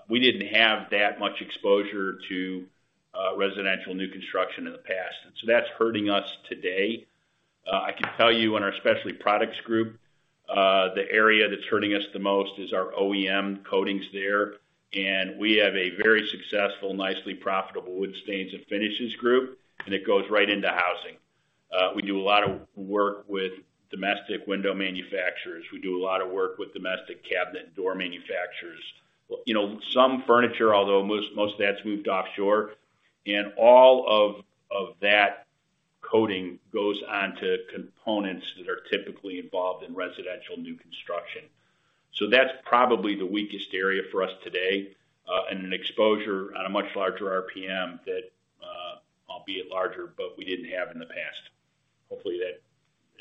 We didn't have that much exposure to residential new construction in the past. That's hurting us today. I can tell you on our Specialty Products Group, the area that's hurting us the most is our OEM coatings there. We have a very successful, nicely profitable wood stains and finishes group, and it goes right into housing. We do a lot of work with domestic window manufacturers. We do a lot of work with domestic cabinet door manufacturers. You know, some furniture, although most of that's moved offshore. All of that coating goes onto components that are typically involved in residential new construction. That's probably the weakest area for us today, and an exposure on a much larger RPM that, albeit larger, but we didn't have in the past. Hopefully, that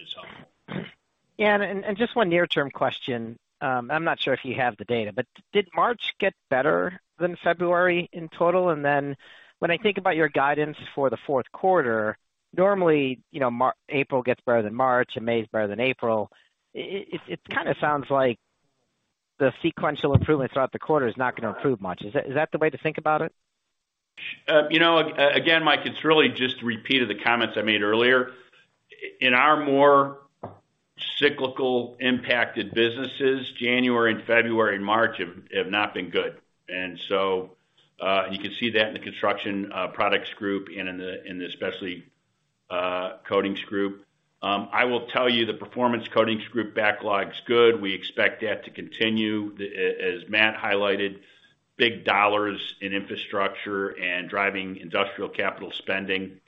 is helpful. Yeah. Just one near-term question, I'm not sure if you have the data, but did March get better than February in total? And then when I think about your guidance for the fourth quarter, normally, you know, April gets better than March and May is better than April. It kinda sounds like the sequential improvement throughout the quarter is not gonna improve much. Is that, is that the way to think about it? You know, Mike, it's really just repeated the comments I made earlier. In our more cyclical impacted businesses, January and February and March have not been good. You can see that in the Construction Products Group and in the Specialty Coatings Group. I will tell you the Performance Coatings Group backlog's good. We expect that to continue. As Matt highlighted, big dollars in infrastructure and driving industrial capital spending.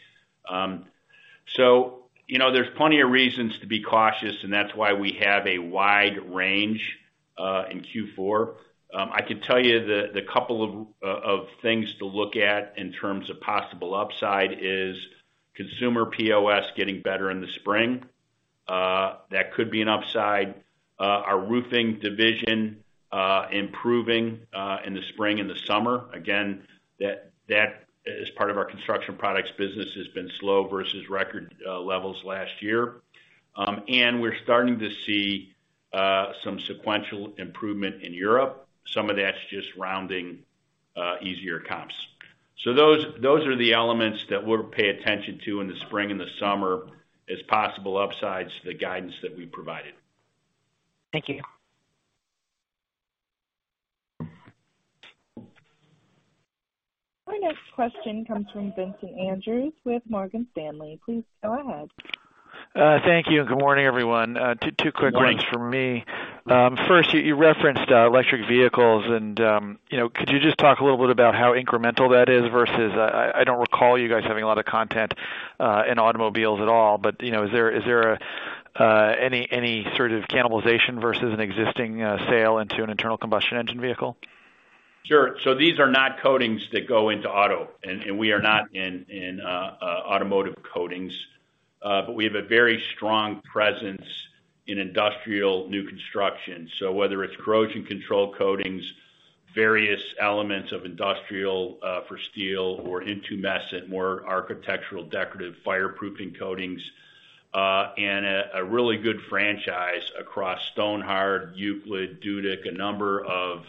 You know, there's plenty of reasons to be cautious, and that's why we have a wide range in Q4. I can tell you the couple of things to look at in terms of possible upside is consumer POS getting better in the spring. That could be an upside. Our roofing division improving in the spring and the summer. Again, that as part of our construction products business has been slow versus record levels last year. We're starting to see some sequential improvement in Europe. Some of that's just rounding, easier comps. Those are the elements that we'll pay attention to in the spring and the summer as possible upsides to the guidance that we provided. Thank you. Our next question comes from Vincent Andrews with Morgan Stanley. Please go ahead. Thank you, and good morning, everyone. Two quick ones from me. Good morning. First, you referenced electric vehicles and, you know, could you just talk a little bit about how incremental that is versus? I don't recall you guys having a lot of content in automobiles at all, but, you know, is there any sort of cannibalization versus an existing sale into an internal combustion engine vehicle? Sure. These are not coatings that go into auto, and we are not in automotive coatings. We have a very strong presence in industrial new construction. Whether it's corrosion control coatings, various elements of industrial for steel or intumescent, more architectural decorative fireproofing coatings, and a really good franchise across Stonhard, Euclid, Dudick, a number of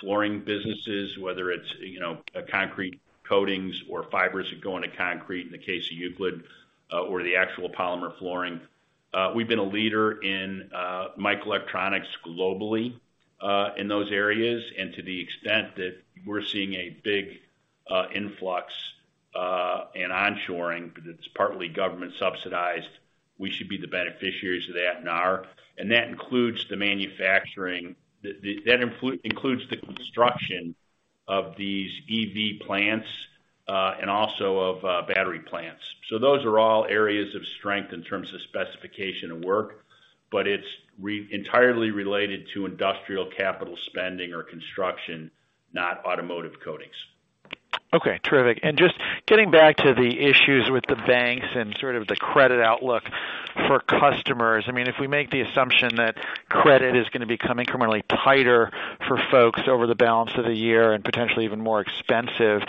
flooring businesses, whether it's, you know, concrete coatings or fibers that go into concrete in the case of Euclid, or the actual polymer flooring. We've been a leader in microelectronics globally in those areas. To the extent that we're seeing a big influx in onshoring, but it's partly government subsidized, we should be the beneficiaries of that and are. That includes the manufacturing. That includes the construction of these EV plants, and also of battery plants. Those are all areas of strength in terms of specification and work, but it's entirely related to industrial capital spending or construction, not automotive coatings. Okay. Terrific. Just getting back to the issues with the banks and sort of the credit outlook for customers. I mean, if we make the assumption that credit is gonna become incrementally tighter for folks over the balance of the year and potentially even more expensive,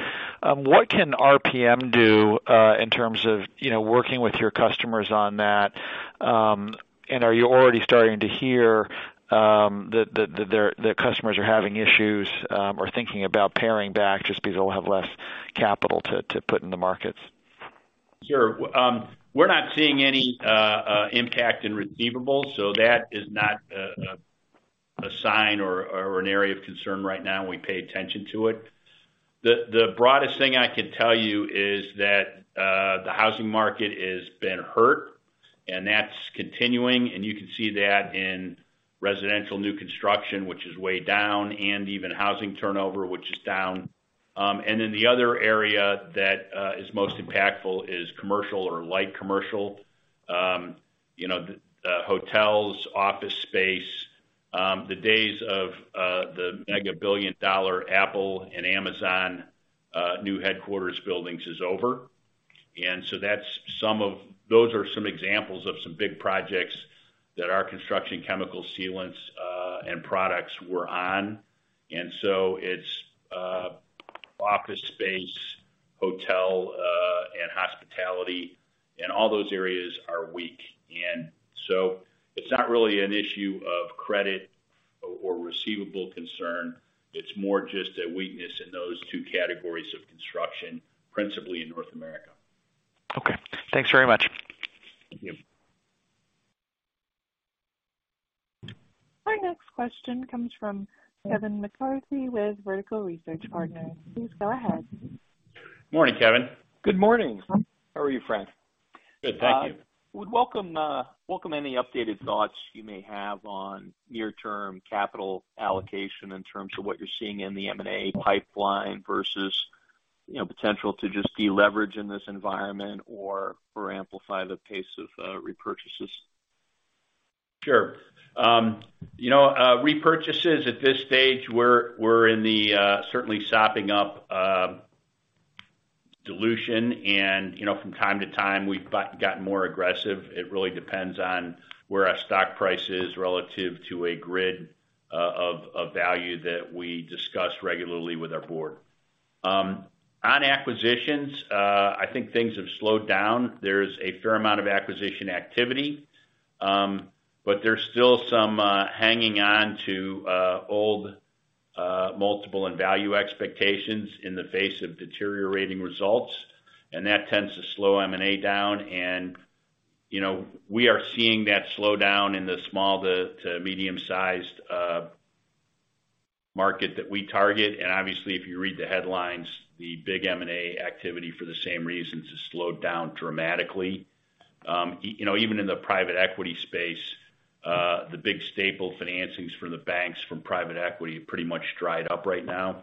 what can RPM do, in terms of, you know, working with your customers on that? Are you already starting to hear that their customers are having issues, or thinking about paring back just because they'll have less capital to put in the markets? Sure. We're not seeing any impact in receivables, so that is not a sign or an area of concern right now, and we pay attention to it. The broadest thing I can tell you is that the housing market has been hurt, and that's continuing, and you can see that in residential new construction, which is way down, and even housing turnover, which is down. Then the other area that is most impactful is commercial or light commercial. You know, the hotels, office space. The days of the mega billion-dollar Apple and Amazon new headquarters buildings is over. Those are some examples of some big projects that our construction chemical sealants and products were on. It's office space, hotel, and hospitality, and all those areas are weak. It's not really an issue of credit or receivable concern. It's more just a weakness in those two categories of construction, principally in North America. Okay. Thanks very much. Thank you. Our next question comes from Kevin McCarthy with Vertical Research Partners. Please go ahead. Morning, Kevin. Good morning. How are you, Frank? Good, thank you. would welcome any updated thoughts you may have on near-term capital allocation in terms of what you're seeing in the M&A pipeline versus, you know, potential to just deleverage in this environment or amplify the pace of repurchases. Sure. You know, repurchases at this stage, we're in the certainly sopping up dilution. You know, from time to time, we've gotten more aggressive. It really depends on where our stock price is relative to a grid of value that we discuss regularly with our board. On acquisitions, I think things have slowed down. There's a fair amount of acquisition activity, but there's still some hanging on to old multiple and value expectations in the face of deteriorating results, and that tends to slow M&A down. You know, we are seeing that slow down in the small to medium-sized market that we target. Obviously, if you read the headlines, the big M&A activity for the same reasons has slowed down dramatically. You know, even in the private equity space, the big staple financings from the banks from private equity have pretty much dried up right now.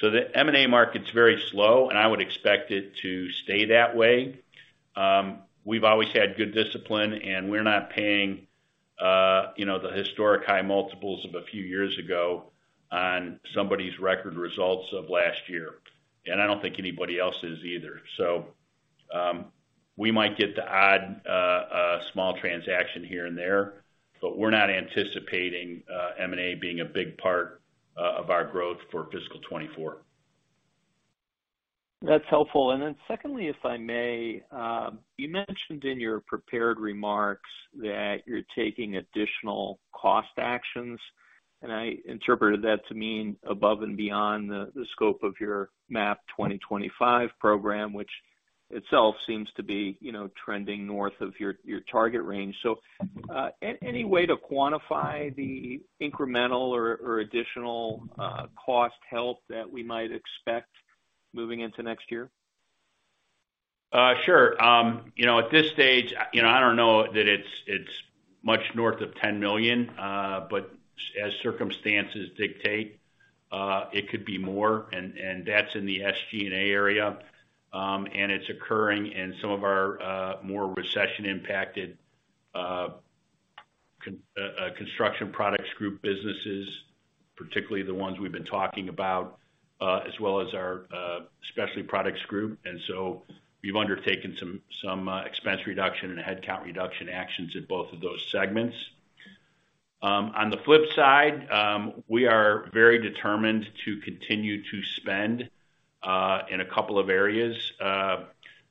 The M&A market's very slow, and I would expect it to stay that way. We've always had good discipline, and we're not paying, you know, the historic high multiples of a few years ago on somebody's record results of last year. I don't think anybody else is either. We might get the odd small transaction here and there, but we're not anticipating M&A being a big part of our growth for fiscal 2024. That's helpful. Then secondly, if I may, you mentioned in your prepared remarks that you're taking additional cost actions. I interpreted that to mean above and beyond the scope of your MAP 2025 program, which itself seems to be, you know, trending north of your target range. Any way to quantify the incremental or additional cost help that we might expect moving into next year? You know, at this stage, you know, I don't know that it's much north of $10 million, but as circumstances dictate, it could be more. That's in the SG&A area, and it's occurring in some of our more recession-impacted Construction Products Group businesses, particularly the ones we've been talking about, as well as our Specialty Products Group. We've undertaken some expense reduction and headcount reduction actions in both of those segments. On the flip side, we are very determined to continue to spend in a couple of areas.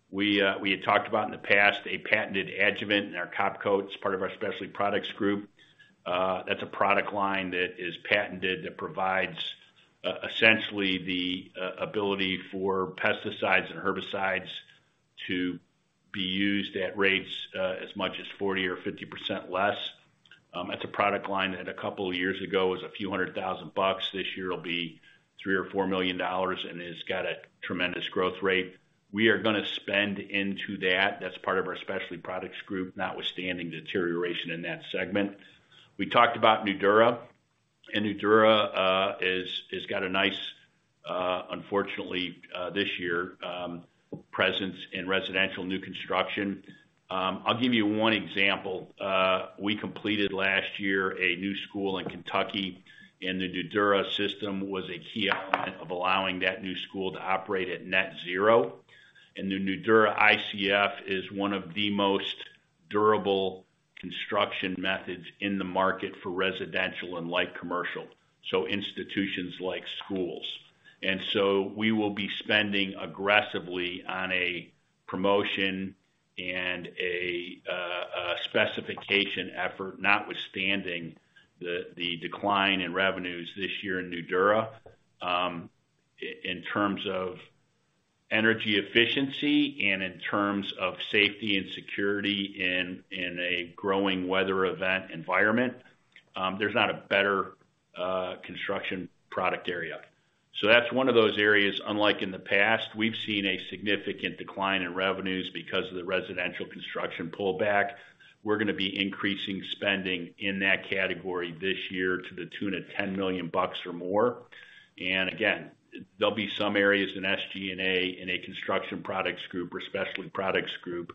We had talked about in the past a patented adjuvant in our Topcoat. It's part of our Specialty Products Group. That's a product line that is patented, that provides essentially the ability for pesticides and herbicides to be used at rates as much as 40% or 50% less. That's a product line that a couple of years ago was a few hundred thousand dollars. This year it'll be $3 million or $4 million. It has got a tremendous growth rate. We are gonna spend into that. That's part of our Specialty Products Group, notwithstanding deterioration in that segment. We talked about Nudura. Nudura has got a nice, unfortunately, this year, presence in residential new construction. I'll give you one example. We completed last year a new school in Kentucky. The Nudura system was a key element of allowing that new school to operate at net-zero. The Nudura ICF is one of the most durable construction methods in the market for residential and light commercial, so institutions like schools. We will be spending aggressively on a promotion and a specification effort, notwithstanding the decline in revenues this year in Nudura. In terms of energy efficiency and in terms of safety and security in a growing weather event environment, there's not a better construction product area. That's one of those areas. Unlike in the past, we've seen a significant decline in revenues because of the residential construction pullback. We're gonna be increasing spending in that category this year to the tune of $10 million bucks or more. Again, there'll be some areas in SG&A, in a Construction Products Group or Specialty Products Group,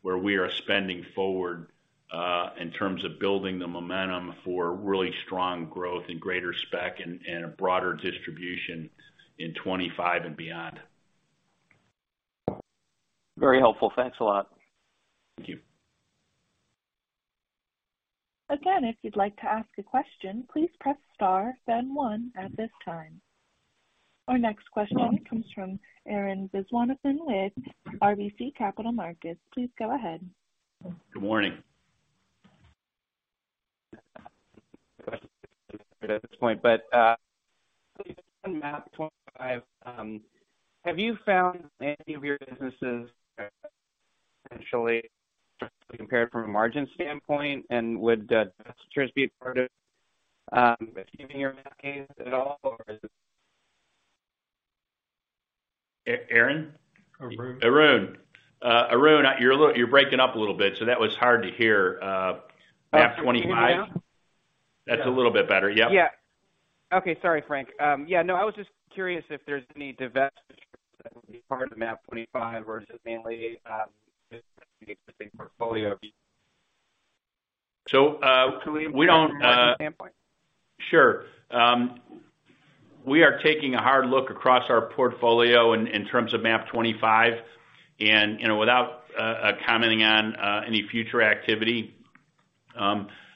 where we are spending forward, in terms of building the momentum for really strong growth and greater spec and a broader distribution in 25 and beyond. Very helpful. Thanks a lot. Thank you. Again, if you'd like to ask a question, please press star then one at this time. Our next question comes from Arun Viswanathan with RBC Capital Markets. Please go ahead. Good morning. At this point, on MAP 2025, have you found any of your businesses compared from a margin standpoint? Would divestitures be part of keeping your MAP gains at all? A-Arun? Arun. Arun. Arun, you're breaking up a little bit, that was hard to hear. MAP 25. Can you hear me now? That's a little bit better, yep. Yeah. Okay. Sorry, Frank. Yeah, no, I was just curious if there's any divestitures that would be part of the MAP 2025 versus mainly existing portfolio. we don't. From a margin standpoint. Sure. We are taking a hard look across our portfolio in terms of MAP 25. You know, without commenting on any future activity,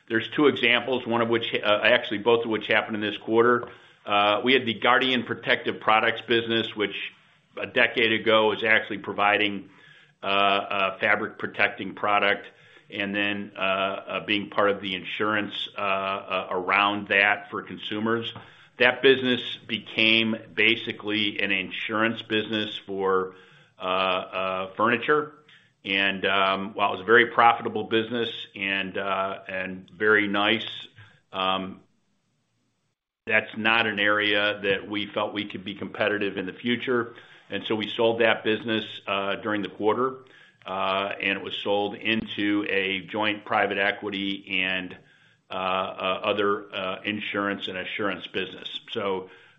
there's two examples, one of which actually, both of which happened in this quarter. We had the Guardian Protection Products business, which a decade ago was actually providing a fabric protecting product and then being part of the insurance around that for consumers. That business became basically an insurance business for furniture. While it was a very profitable business and very nice, that's not an area that we felt we could be competitive in the future. We sold that business during the quarter, and it was sold into a joint private equity and other insurance and assurance business.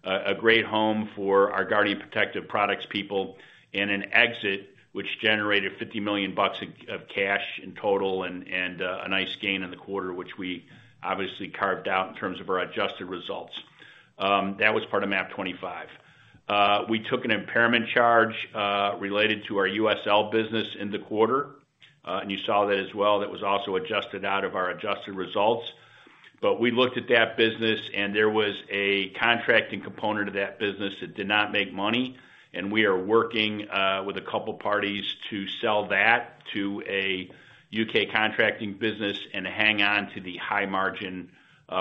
A great home for our Guardian Protection Products people and an exit which generated $50 million of cash in total and a nice gain in the quarter, which we obviously carved out in terms of our adjusted results. That was part of MAP 25. We took an impairment charge related to our USL business in the quarter. You saw that as well. That was also adjusted out of our adjusted results. We looked at that business and there was a contracting component of that business that did not make money, and we are working with a couple parties to sell that to a UK contracting business and hang on to the high margin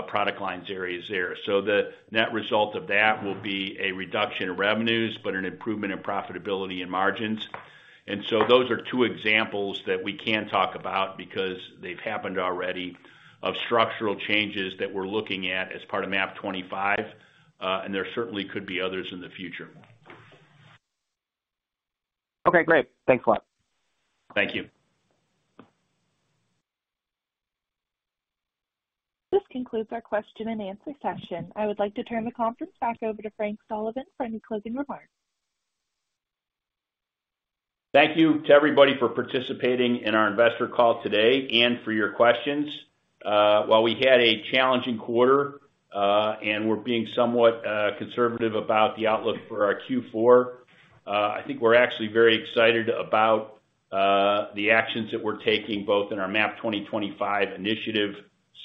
product lines areas there. The net result of that will be a reduction in revenues, but an improvement in profitability and margins. Those are two examples that we can talk about because they've happened already of structural changes that we're looking at as part of MAP 2025. There certainly could be others in the future. Okay, great. Thanks a lot. Thank you. This concludes our question and answer session. I would like to turn the conference back over to Frank Sullivan for any closing remarks. Thank you to everybody for participating in our investor call today and for your questions. While we had a challenging quarter, and we're being somewhat conservative about the outlook for our Q4, I think we're actually very excited about the actions that we're taking both in our MAP 2025 initiative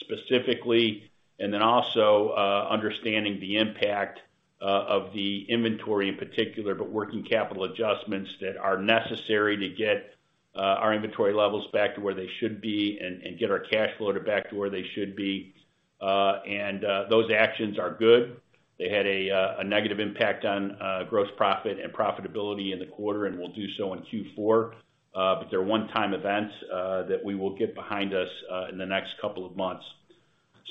specifically, and then also understanding the impact of the inventory in particular, but working capital adjustments that are necessary to get our inventory levels back to where they should be and get our cash flow back to where they should be. Those actions are good. They had a negative impact on gross profit and profitability in the quarter, and will do so in Q4. They're one-time events that we will get behind us in the next couple of months.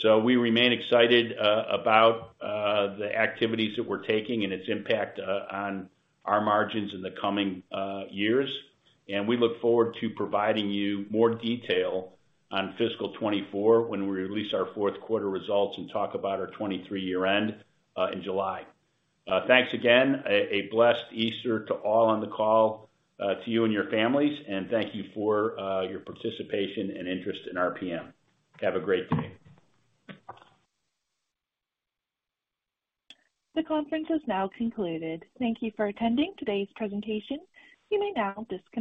We remain excited about the activities that we're taking and its impact on our margins in the coming years. We look forward to providing you more detail on fiscal 2024 when we release our fourth quarter results and talk about our 2023 year-end in July. Thanks again. A blessed Easter to all on the call, to you and your families. Thank you for your participation and interest in RPM. Have a great day. The conference has now concluded. Thank you for attending today's presentation. You may now disconnect.